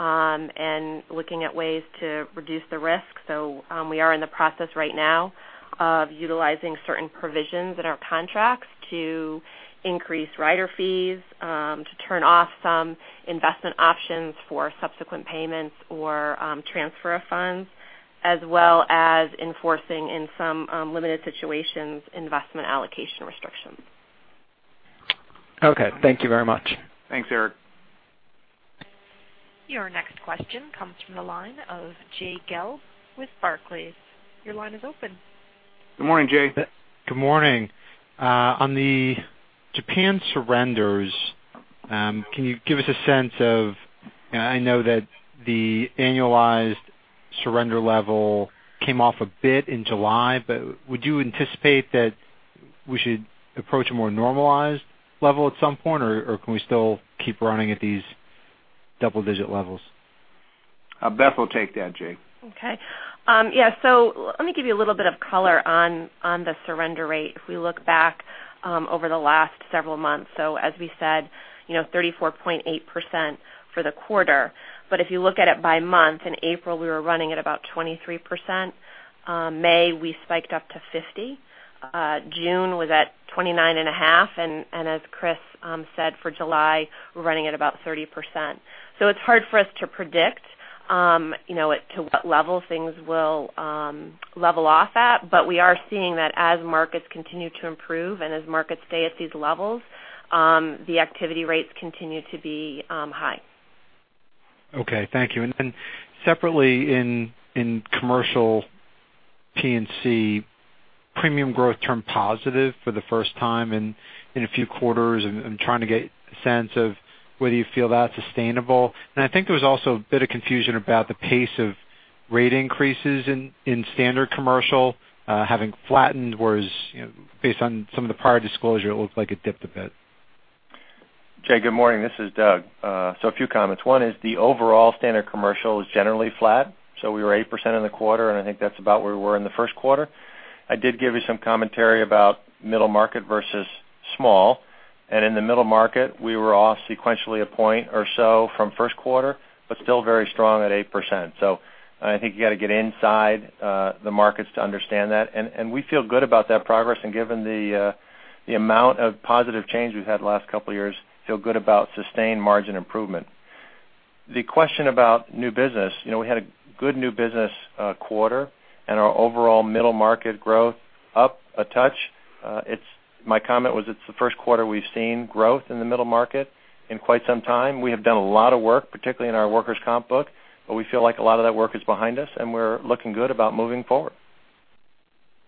and looking at ways to reduce the risk. We are in the process right now of utilizing certain provisions in our contracts to increase rider fees, to turn off some investment options for subsequent payments or transfer of funds, as well as enforcing in some limited situations, investment allocation restrictions. Okay. Thank you very much. Thanks, Erik. Your next question comes from the line of Jay Gelb with Barclays. Your line is open. Good morning, Jay. Good morning. On the Japan surrenders, can you give us a sense of, I know that the annualized surrender level came off a bit in July, would you anticipate that we should approach a more normalized level at some point, or can we still keep running at these double-digit levels? Beth will take that, Jay. Okay. Yeah. Let me give you a little bit of color on the surrender rate if we look back over the last several months. As we said, 34.8% for the quarter. If you look at it by month, in April, we were running at about 23%. May, we spiked up to 50%. June was at 29.5%. As Chris said, for July, we're running at about 30%. It's hard for us to predict to what level things will level off at. We are seeing that as markets continue to improve and as markets stay at these levels, the activity rates continue to be high. Okay, thank you. Separately in commercial P&C, premium growth turned positive for the first time in a few quarters. I'm trying to get a sense of whether you feel that's sustainable. I think there was also a bit of confusion about the pace of rate increases in standard commercial having flattened, whereas based on some of the prior disclosure, it looked like it dipped a bit. Jay, good morning. This is Doug. A few comments. One is the overall standard commercial is generally flat. We were 8% in the quarter, and I think that's about where we were in the first quarter. I did give you some commentary about middle market versus small. In the middle market, we were off sequentially a point or so from first quarter, but still very strong at 8%. I think you got to get inside the markets to understand that. We feel good about that progress and given the amount of positive change we've had the last couple of years, feel good about sustained margin improvement. The question about new business, we had a good new business quarter, and our overall middle market growth up a touch. My comment was it's the first quarter we've seen growth in the middle market in quite some time. We have done a lot of work, particularly in our workers' comp book. We feel like a lot of that work is behind us, and we're looking good about moving forward.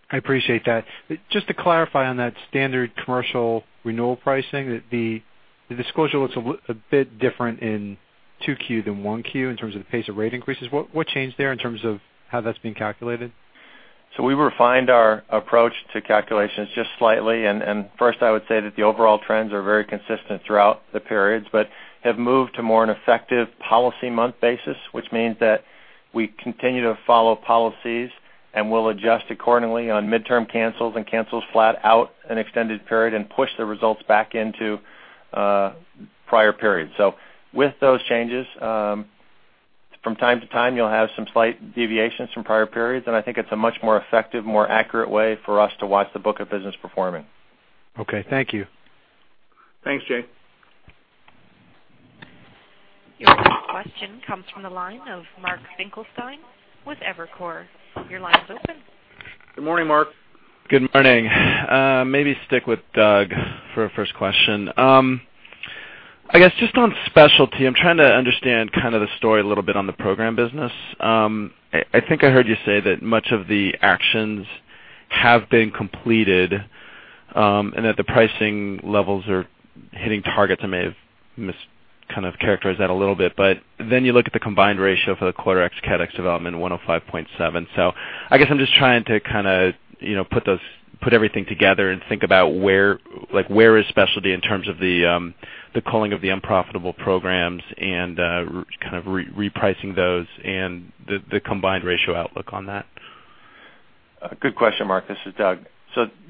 I appreciate that. Just to clarify on that standard commercial renewal pricing, the disclosure looks a bit different in 2Q than 1Q in terms of the pace of rate increases. What changed there in terms of how that's being calculated? We refined our approach to calculations just slightly. First, I would say that the overall trends are very consistent throughout the periods, but have moved to more an effective policy month basis, which means that we continue to follow policies, and we'll adjust accordingly on midterm cancels and cancels flat out an extended period and push the results back into prior periods. With those changes, from time to time, you'll have some slight deviations from prior periods, and I think it's a much more effective, more accurate way for us to watch the book of business performing. Okay. Thank you. Thanks, Jay. Your next question comes from the line of Mark Finkelstein with Evercore. Your line is open. Good morning, Mark. Good morning. Maybe stick with Doug for a first question. I guess just on specialty, I'm trying to understand kind of the story a little bit on the program business. I think I heard you say that much of the actions have been completed, and that the pricing levels are hitting targets. I may have kind of characterized that a little bit, you look at the combined ratio for the quarter ex-cat ex-development 105.7. I guess I'm just trying to kind of put everything together and think about where is specialty in terms of the culling of the unprofitable programs and kind of repricing those and the combined ratio outlook on that. Good question, Mark. This is Doug.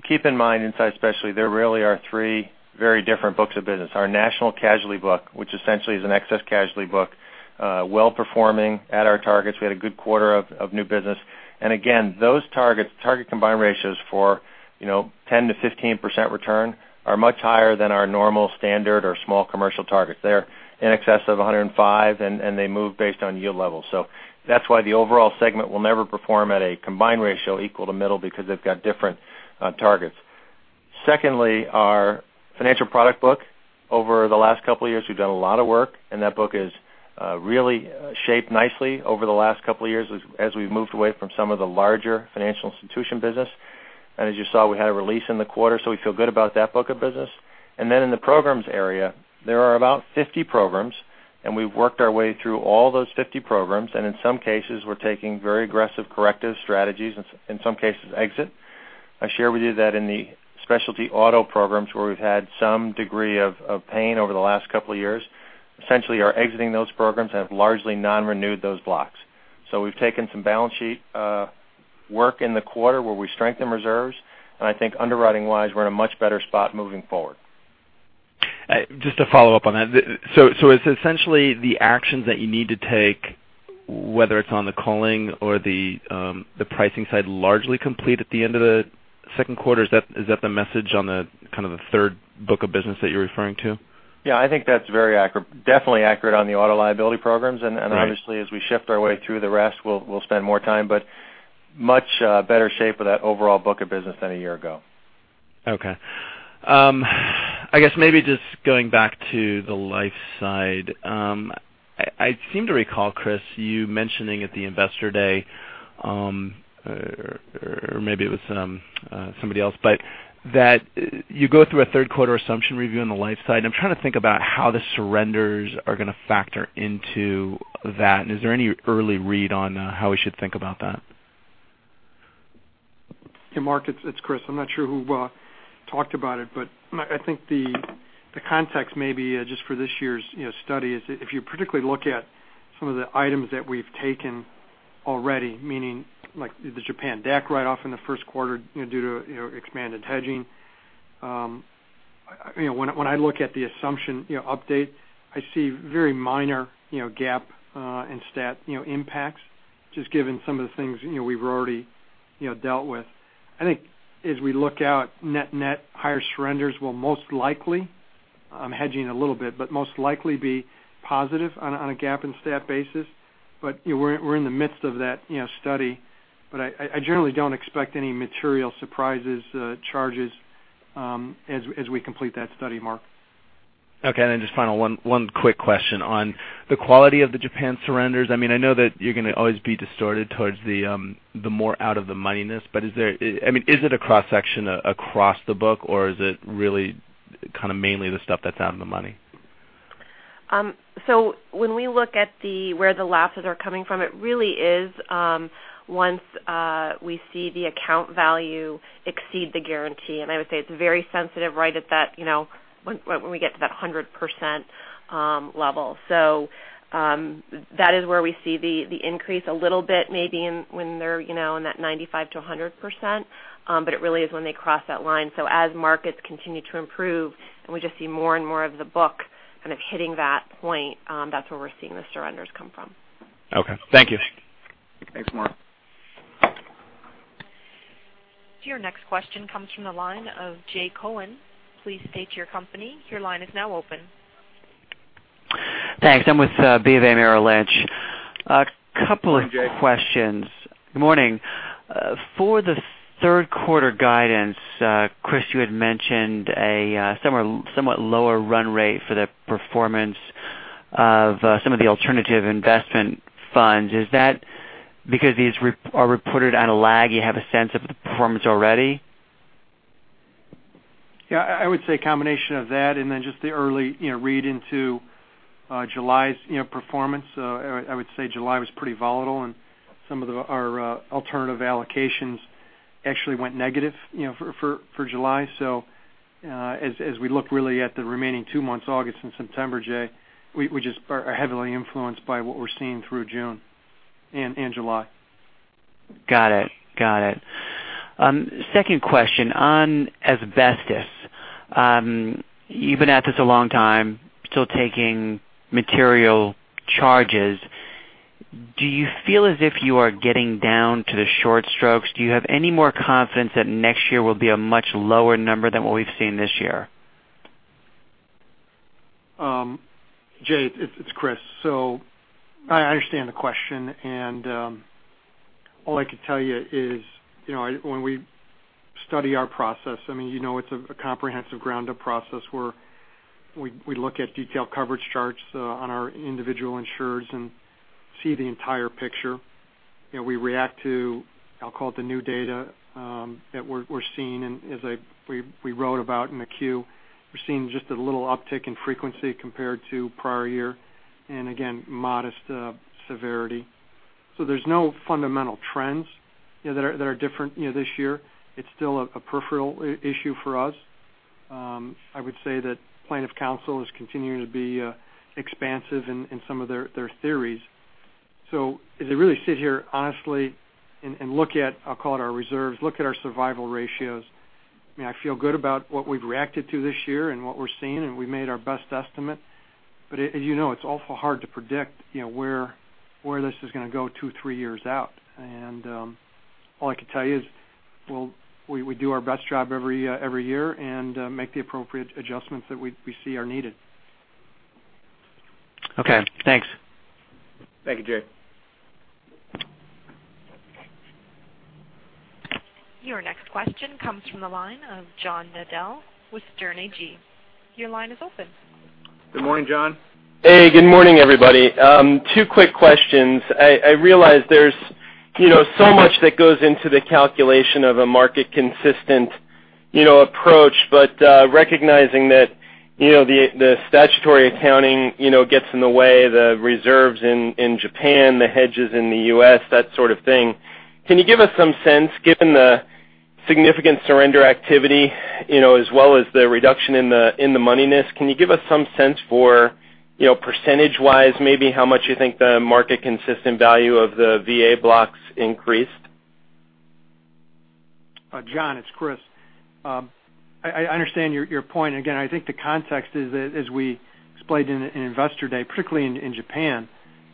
Keep in mind inside specialty, there really are three very different books of business. Our national casualty book, which essentially is an excess casualty book, well performing at our targets. We had a good quarter of new business. Those target combined ratios for 10%-15% return are much higher than our normal standard or small commercial targets. They're in excess of 105, and they move based on yield levels. That's why the overall segment will never perform at a combined ratio equal to middle because they've got different targets. Secondly, our financial product book over the last couple of years, we've done a lot of work, and that book has really shaped nicely over the last couple of years as we've moved away from some of the larger financial institution business. As you saw, we had a release in the quarter, we feel good about that book of business. In the programs area, there are about 50 programs, and we've worked our way through all those 50 programs, and in some cases we're taking very aggressive corrective strategies, in some cases exit. I share with you that in the specialty auto programs where we've had some degree of pain over the last couple of years, essentially are exiting those programs, have largely non-renewed those blocks. We've taken some balance sheet work in the quarter where we strengthen reserves, and I think underwriting-wise, we're in a much better spot moving forward. Just to follow up on that, it's essentially the actions that you need to take, whether it's on the culling or the pricing side, largely complete at the end of the second quarter. Is that the message on the kind of the third book of business that you're referring to? Yeah, I think that's very accurate. Definitely accurate on the auto liability programs. Right. Obviously as we shift our way through the rest, we'll spend more time, much better shape of that overall book of business than a year ago. Okay. I guess maybe just going back to the life side. I seem to recall, Chris, you mentioning at the investor day, or maybe it was somebody else, that you go through a third quarter assumption review on the life side, I'm trying to think about how the surrenders are going to factor into that. Is there any early read on how we should think about that? Hey, Mark, it's Chris. I'm not sure who talked about it, I think the context may be just for this year's study is if you particularly look at some of the items that we've taken already, meaning like the Japan DAC write-off in the first quarter due to expanded hedging. When I look at the assumption update, I see very minor GAAP and stat impacts, just given some of the things we've already dealt with. I think as we look out net-net, higher surrenders will most likely, I'm hedging a little bit, most likely be positive on a GAAP and stat basis. We're in the midst of that study. I generally don't expect any material surprises, charges, as we complete that study, Mark. Okay. Just final one quick question on the quality of the Japan surrenders. I know that you're going to always be distorted towards the more out of the moneyness, but is it a cross-section across the book or is it really kind of mainly the stuff that's out of the money? When we look at where the lapses are coming from, it really is once we see the account value exceed the guarantee. I would say it's very sensitive right at that when we get to that 100% level. That is where we see the increase a little bit, maybe when they're in that 95%-100%, but it really is when they cross that line. As markets continue to improve and we just see more and more of the book kind of hitting that point, that's where we're seeing the surrenders come from. Okay. Thank you. Thanks, Mark. Your next question comes from the line of Jay Cohen. Please state your company. Your line is now open. Thanks. I'm with BofA Merrill Lynch. Morning, Jay. A couple of questions. Good morning. For the third quarter guidance, Chris, you had mentioned a somewhat lower run rate for the performance of some of the alternative investment funds. Is that because these are reported on a lag, you have a sense of the performance already? Yeah. I would say combination of that and then just the early read into July's performance. I would say July was pretty volatile and some of our alternative allocations actually went negative for July. As we look really at the remaining two months, August and September, Jay, we just are heavily influenced by what we're seeing through June and July. Got it. Second question, on asbestos. You've been at this a long time, still taking material charges. Do you feel as if you are getting down to the short strokes? Do you have any more confidence that next year will be a much lower number than what we've seen this year? Jay, it's Chris. I understand the question, and all I can tell you is when we study our process, it's a comprehensive ground-up process where we look at detailed coverage charts on our individual insurers and see the entire picture. We react to, I'll call it the new data that we're seeing and as we wrote about in the Q, we're seeing just a little uptick in frequency compared to prior year. Again, modest severity. There's no fundamental trends that are different this year. It's still a peripheral issue for us. I would say that plaintiff counsel is continuing to be expansive in some of their theories. As I really sit here honestly and look at, I'll call it our reserves, look at our survival ratios. I feel good about what we've reacted to this year and what we're seeing, and we made our best estimate. As you know, it's awful hard to predict where this is going to go two, three years out. All I can tell you is we do our best job every year and make the appropriate adjustments that we see are needed. Okay. Thanks. Thank you, Jay. Your next question comes from the line of John Nadel with Sterne Agee. Your line is open. Good morning, John. Hey, good morning, everybody. Two quick questions. I realize there's so much that goes into the calculation of a market-consistent approach, but recognizing that the statutory accounting gets in the way, the reserves in Japan, the hedges in the U.S., that sort of thing. Can you give us some sense, given the significant surrender activity, as well as the reduction in the moneyness, can you give us some sense for percentage-wise, maybe how much you think the market-consistent value of the VA blocks increased? John, it's Chris. I understand your point. Again, I think the context is that as we displayed in Investor Day, particularly in Japan,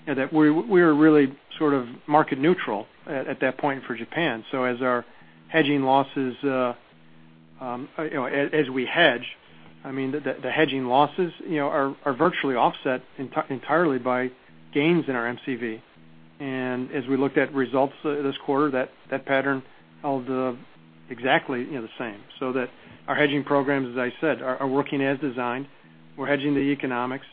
that we were really sort of market neutral at that point for Japan. As we hedge, the hedging losses are virtually offset entirely by gains in our MCV. As we looked at results this quarter, that pattern held exactly the same, our hedging programs, as I said, are working as designed. We're hedging the economics.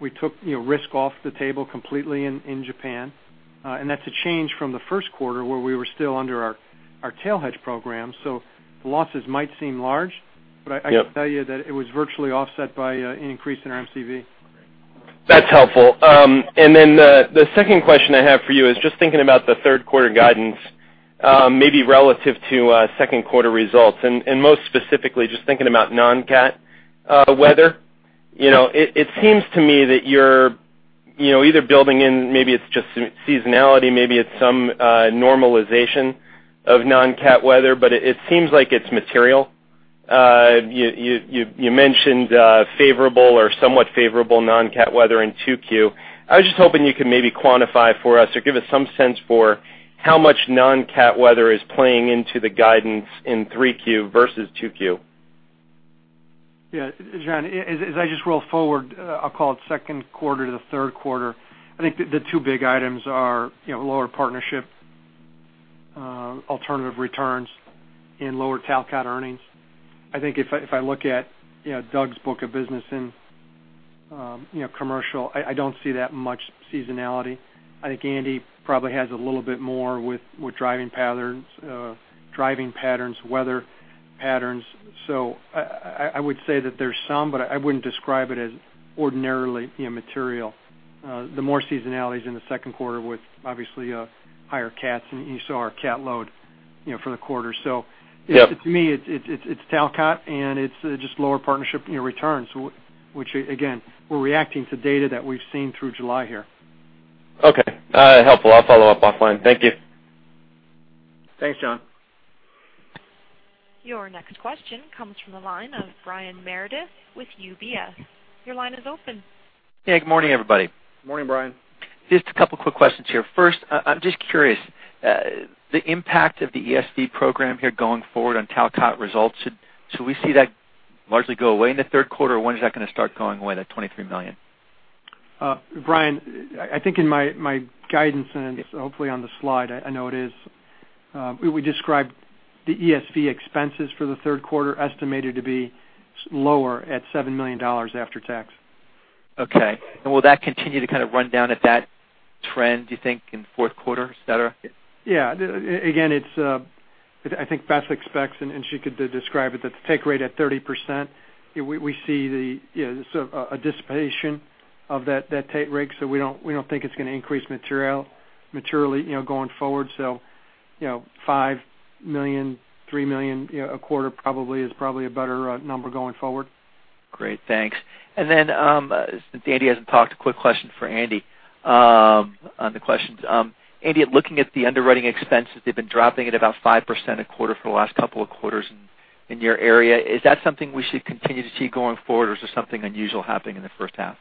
We took risk off the table completely in Japan. That's a change from the first quarter, where we were still under our tail hedge program. The losses might seem large, but I can tell you that it was virtually offset by an increase in our MCV. That's helpful. The second question I have for you is just thinking about the third quarter guidance, maybe relative to second quarter results, and most specifically just thinking about non-cat weather. It seems to me that you're either building in, maybe it's just seasonality, maybe it's some normalization of non-cat weather, but it seems like it's material. You mentioned favorable or somewhat favorable non-cat weather in 2Q. I was just hoping you could maybe quantify for us or give us some sense for how much non-cat weather is playing into the guidance in 3Q versus 2Q. Yeah. John, as I just roll forward, I'll call it second quarter to the third quarter. I think the two big items are lower partnership alternative returns and lower Talcott earnings. I think if I look at Doug's book of business in commercial, I don't see that much seasonality. I think Andy probably has a little bit more with driving patterns, weather patterns. I would say that there's some, but I wouldn't describe it as ordinarily immaterial. The more seasonality is in the second quarter with obviously higher cats, and you saw our cat load for the quarter. To me, it's Talcott and it's just lower partnership returns, which again, we're reacting to data that we've seen through July here. Okay. Helpful. I'll follow up offline. Thank you. Thanks, John. Your next question comes from the line of Brian Meredith with UBS. Your line is open. Hey, good morning, everybody. Morning, Brian. Just a couple of quick questions here. First, I'm just curious, the impact of the ESV program here going forward on Talcott results, should we see that largely go away in the third quarter? When is that going to start going away, that $23 million? Brian, I think in my guidance and hopefully on the slide, I know it is, we described the ESV expenses for the third quarter estimated to be lower at $7 million after tax. Okay. Will that continue to kind of run down at that trend, do you think, in the fourth quarter, et cetera? Again, I think Beth expects, and she could describe it, that the take rate at 30%, we see a dissipation of that take rate, we don't think it's going to increase materially going forward. $5 million, $3 million a quarter is probably a better number going forward. Great. Thanks. Since Andy hasn't talked, a quick question for Andy on the questions. Andy, looking at the underwriting expenses, they've been dropping at about 5% a quarter for the last couple of quarters in your area. Is that something we should continue to see going forward, or is there something unusual happening in the first half?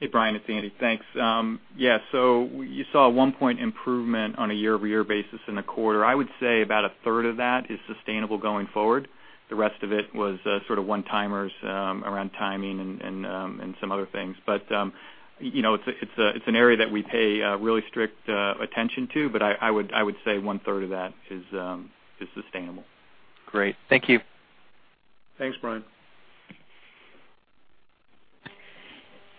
Hey, Brian, it's Andy. Thanks. You saw a one-point improvement on a year-over-year basis in a quarter. I would say about a third of that is sustainable going forward. The rest of it was sort of one-timers around timing and some other things. It's an area that we pay really strict attention to, I would say one-third of that is sustainable. Great. Thank you. Thanks, Brian.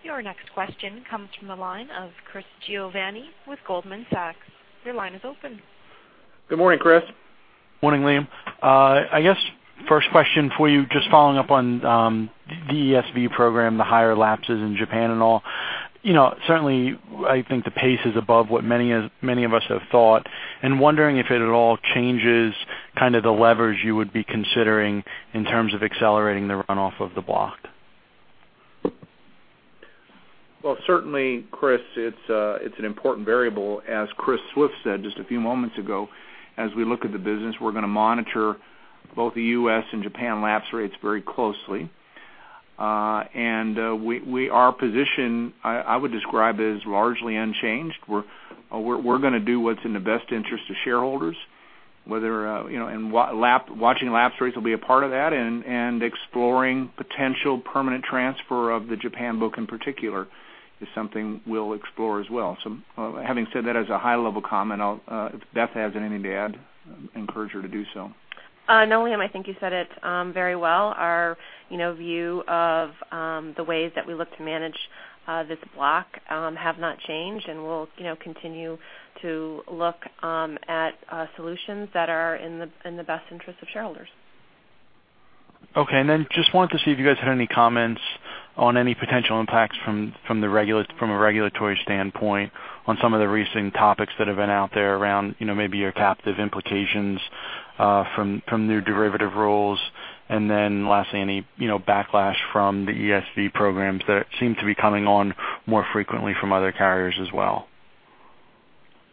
Your next question comes from the line of Chris Giovanni with Goldman Sachs. Your line is open. Good morning, Chris. Morning, Liam. I guess first question for you, just following up on the ESV program, the higher lapses in Japan and all. Certainly, I think the pace is above what many of us have thought and wondering if it at all changes kind of the levers you would be considering in terms of accelerating the runoff of the block. Well, certainly, Chris, it's an important variable. As Chris Swift said just a few moments ago, as we look at the business, we're going to monitor both the U.S. and Japan lapse rates very closely. Our position, I would describe as largely unchanged. We're going to do what's in the best interest of shareholders Whether and watching lapse rates will be a part of that and exploring potential permanent transfer of the Japan book in particular is something we'll explore as well. Having said that as a high level comment, if Beth has anything to add, I encourage her to do so. No, Liam, I think you said it very well. Our view of the ways that we look to manage this block have not changed, and we'll continue to look at solutions that are in the best interest of shareholders. Okay, just wanted to see if you guys had any comments on any potential impacts from a regulatory standpoint on some of the recent topics that have been out there around maybe your captive implications from new derivative rules. Lastly, any backlash from the ESV programs that seem to be coming on more frequently from other carriers as well.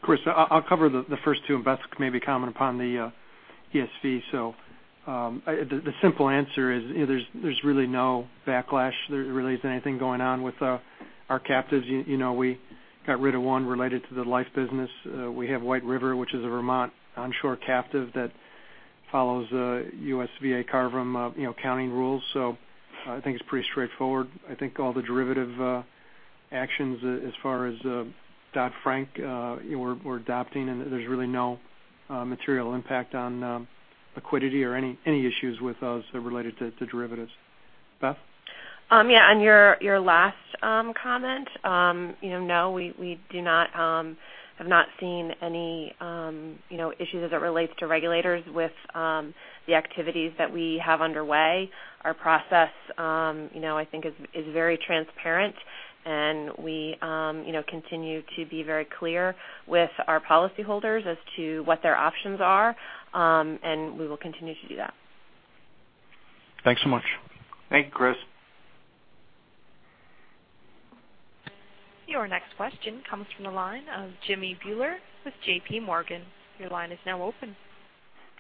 Chris, I'll cover the first two and Beth may comment upon the ESV. The simple answer is there's really no backlash. There really isn't anything going on with our captives. We got rid of one related to the life business. We have White River, which is a Vermont onshore captive that follows US GAAP carve-out from accounting rules. I think it's pretty straightforward. I think all the derivative actions as far as Dodd-Frank, we're adopting, and there's really no material impact on liquidity or any issues with those related to derivatives. Beth? Yeah, on your last comment, no, we have not seen any issues as it relates to regulators with the activities that we have underway. Our process, I think is very transparent, and we continue to be very clear with our policy holders as to what their options are. We will continue to do that. Thanks so much. Thank you, Chris. Your next question comes from the line of Jimmy Bhullar with J.P. Morgan. Your line is now open.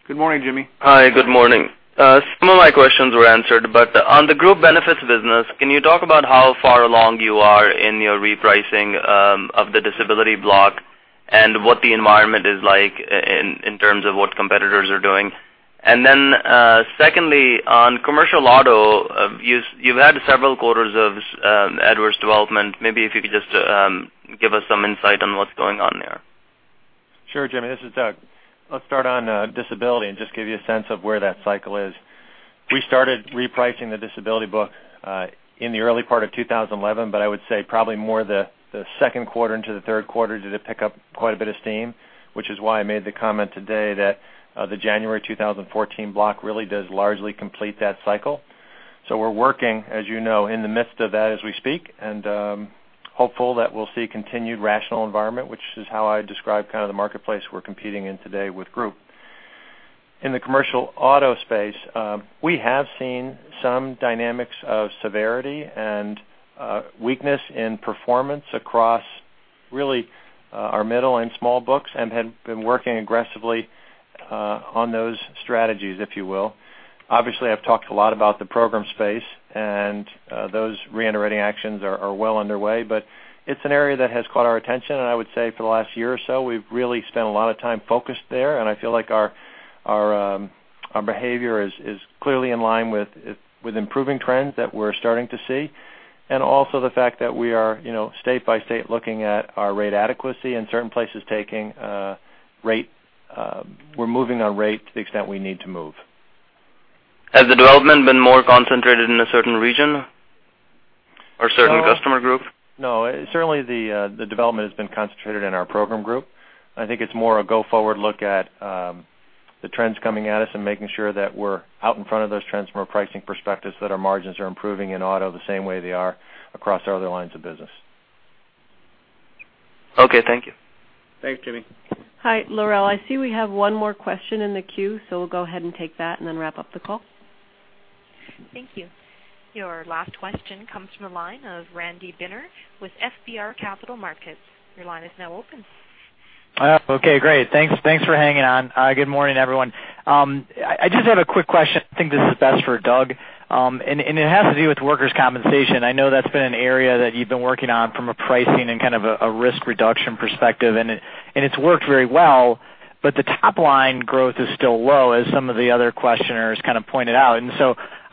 Good morning, Jimmy. Hi, good morning. Some of my questions were answered. On the group benefits business, can you talk about how far along you are in your repricing of the disability block and what the environment is like in terms of what competitors are doing? Secondly, on commercial auto, you've had several quarters of adverse development. Maybe if you could just give us some insight on what's going on there. Sure, Jimmy, this is Doug. Let's start on disability and just give you a sense of where that cycle is. We started repricing the disability book in the early part of 2011, I would say probably more the second quarter into the third quarter did it pick up quite a bit of steam, which is why I made the comment today that the January 2014 block really does largely complete that cycle. We're working, as you know, in the midst of that as we speak, I'm hopeful that we'll see continued rational environment, which is how I describe kind of the marketplace we're competing in today with group. In the commercial auto space, we have seen some dynamics of severity and weakness in performance across really our middle and small books and have been working aggressively on those strategies, if you will. I've talked a lot about the program space, those re-underwriting actions are well underway, it's an area that has caught our attention. I would say for the last year or so, we've really spent a lot of time focused there. I feel like our behavior is clearly in line with improving trends that we're starting to see. Also the fact that we are state by state looking at our rate adequacy in certain places taking rate. We're moving on rate to the extent we need to move. Has the development been more concentrated in a certain region or certain customer group? No. Certainly, the development has been concentrated in our program group. I think it's more a go-forward look at the trends coming at us and making sure that we're out in front of those trends from a pricing perspective, that our margins are improving in auto the same way they are across our other lines of business. Okay. Thank you. Thanks, Jimmy. Hi, Lorel. I see we have one more question in the queue, we'll go ahead and take that and then wrap up the call. Thank you. Your last question comes from the line of Randy Binner with FBR Capital Markets. Your line is now open. Okay, great. Thanks for hanging on. Good morning, everyone. I just have a quick question. I think this is best for Doug. It has to do with workers' compensation. I know that's been an area that you've been working on from a pricing and kind of a risk reduction perspective, and it's worked very well, the top-line growth is still low as some of the other questioners kind of pointed out.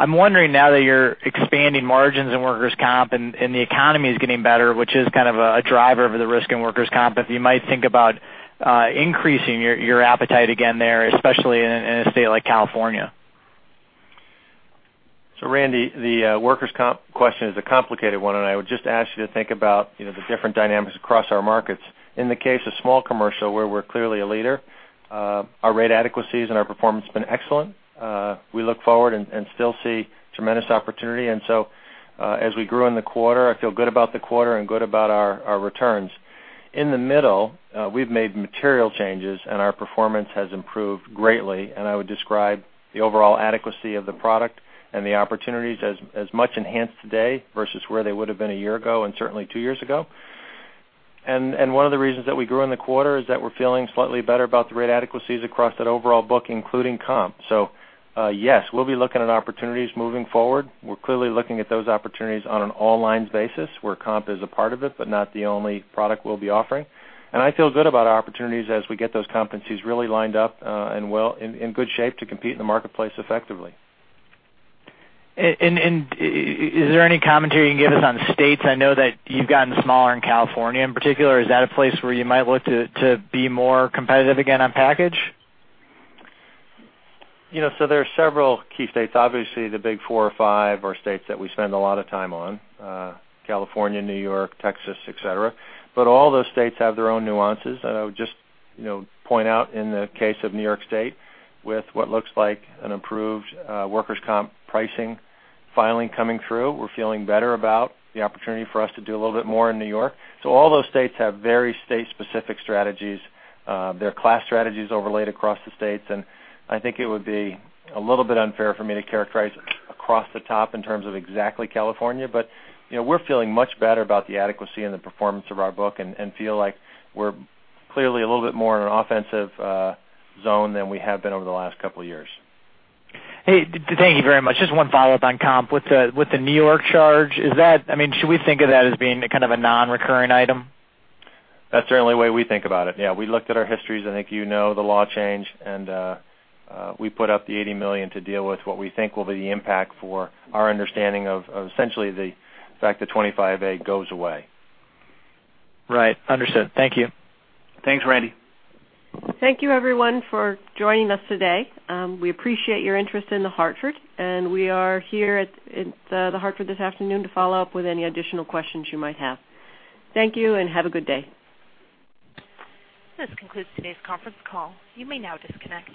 I'm wondering now that you're expanding margins in workers' comp and the economy is getting better, which is kind of a driver of the risk in workers' comp, if you might think about increasing your appetite again there, especially in a state like California. Randy, the workers' comp question is a complicated one. I would just ask you to think about the different dynamics across our markets. In the case of small commercial, where we're clearly a leader, our rate adequacies and our performance has been excellent. We look forward and still see tremendous opportunity. As we grew in the quarter, I feel good about the quarter and good about our returns. In the middle, we've made material changes. Our performance has improved greatly. I would describe the overall adequacy of the product and the opportunities as much enhanced today versus where they would have been a year ago and certainly two years ago. One of the reasons that we grew in the quarter is that we're feeling slightly better about the rate adequacies across that overall book, including comp. Yes, we'll be looking at opportunities moving forward. We're clearly looking at those opportunities on an all-lines basis where comp is a part of it, but not the only product we'll be offering. I feel good about our opportunities as we get those competencies really lined up and well in good shape to compete in the marketplace effectively. Is there any commentary you can give us on the states? I know that you've gotten smaller in California, in particular. Is that a place where you might look to be more competitive again on package? There are several key states. Obviously, the big four or five are states that we spend a lot of time on, California, New York, Texas, et cetera. All those states have their own nuances. I would just point out in the case of New York State with what looks like an improved workers' comp pricing filing coming through, we're feeling better about the opportunity for us to do a little bit more in New York. All those states have very state-specific strategies. There are class strategies overlaid across the states. I think it would be a little bit unfair for me to characterize across the top in terms of exactly California. We're feeling much better about the adequacy and the performance of our book and feel like we're clearly a little bit more in an offensive zone than we have been over the last couple of years. Hey, thank you very much. Just one follow-up on comp. With the New York charge, should we think of that as being kind of a non-recurring item? That's certainly the way we think about it. Yeah, we looked at our histories. I think you know the law change, and we put up the $80 million to deal with what we think will be the impact for our understanding of essentially the fact that 25A goes away. Right. Understood. Thank you. Thanks, Randy. Thank you everyone for joining us today. We appreciate your interest in The Hartford. We are here at The Hartford this afternoon to follow up with any additional questions you might have. Thank you and have a good day. This concludes today's conference call. You may now disconnect.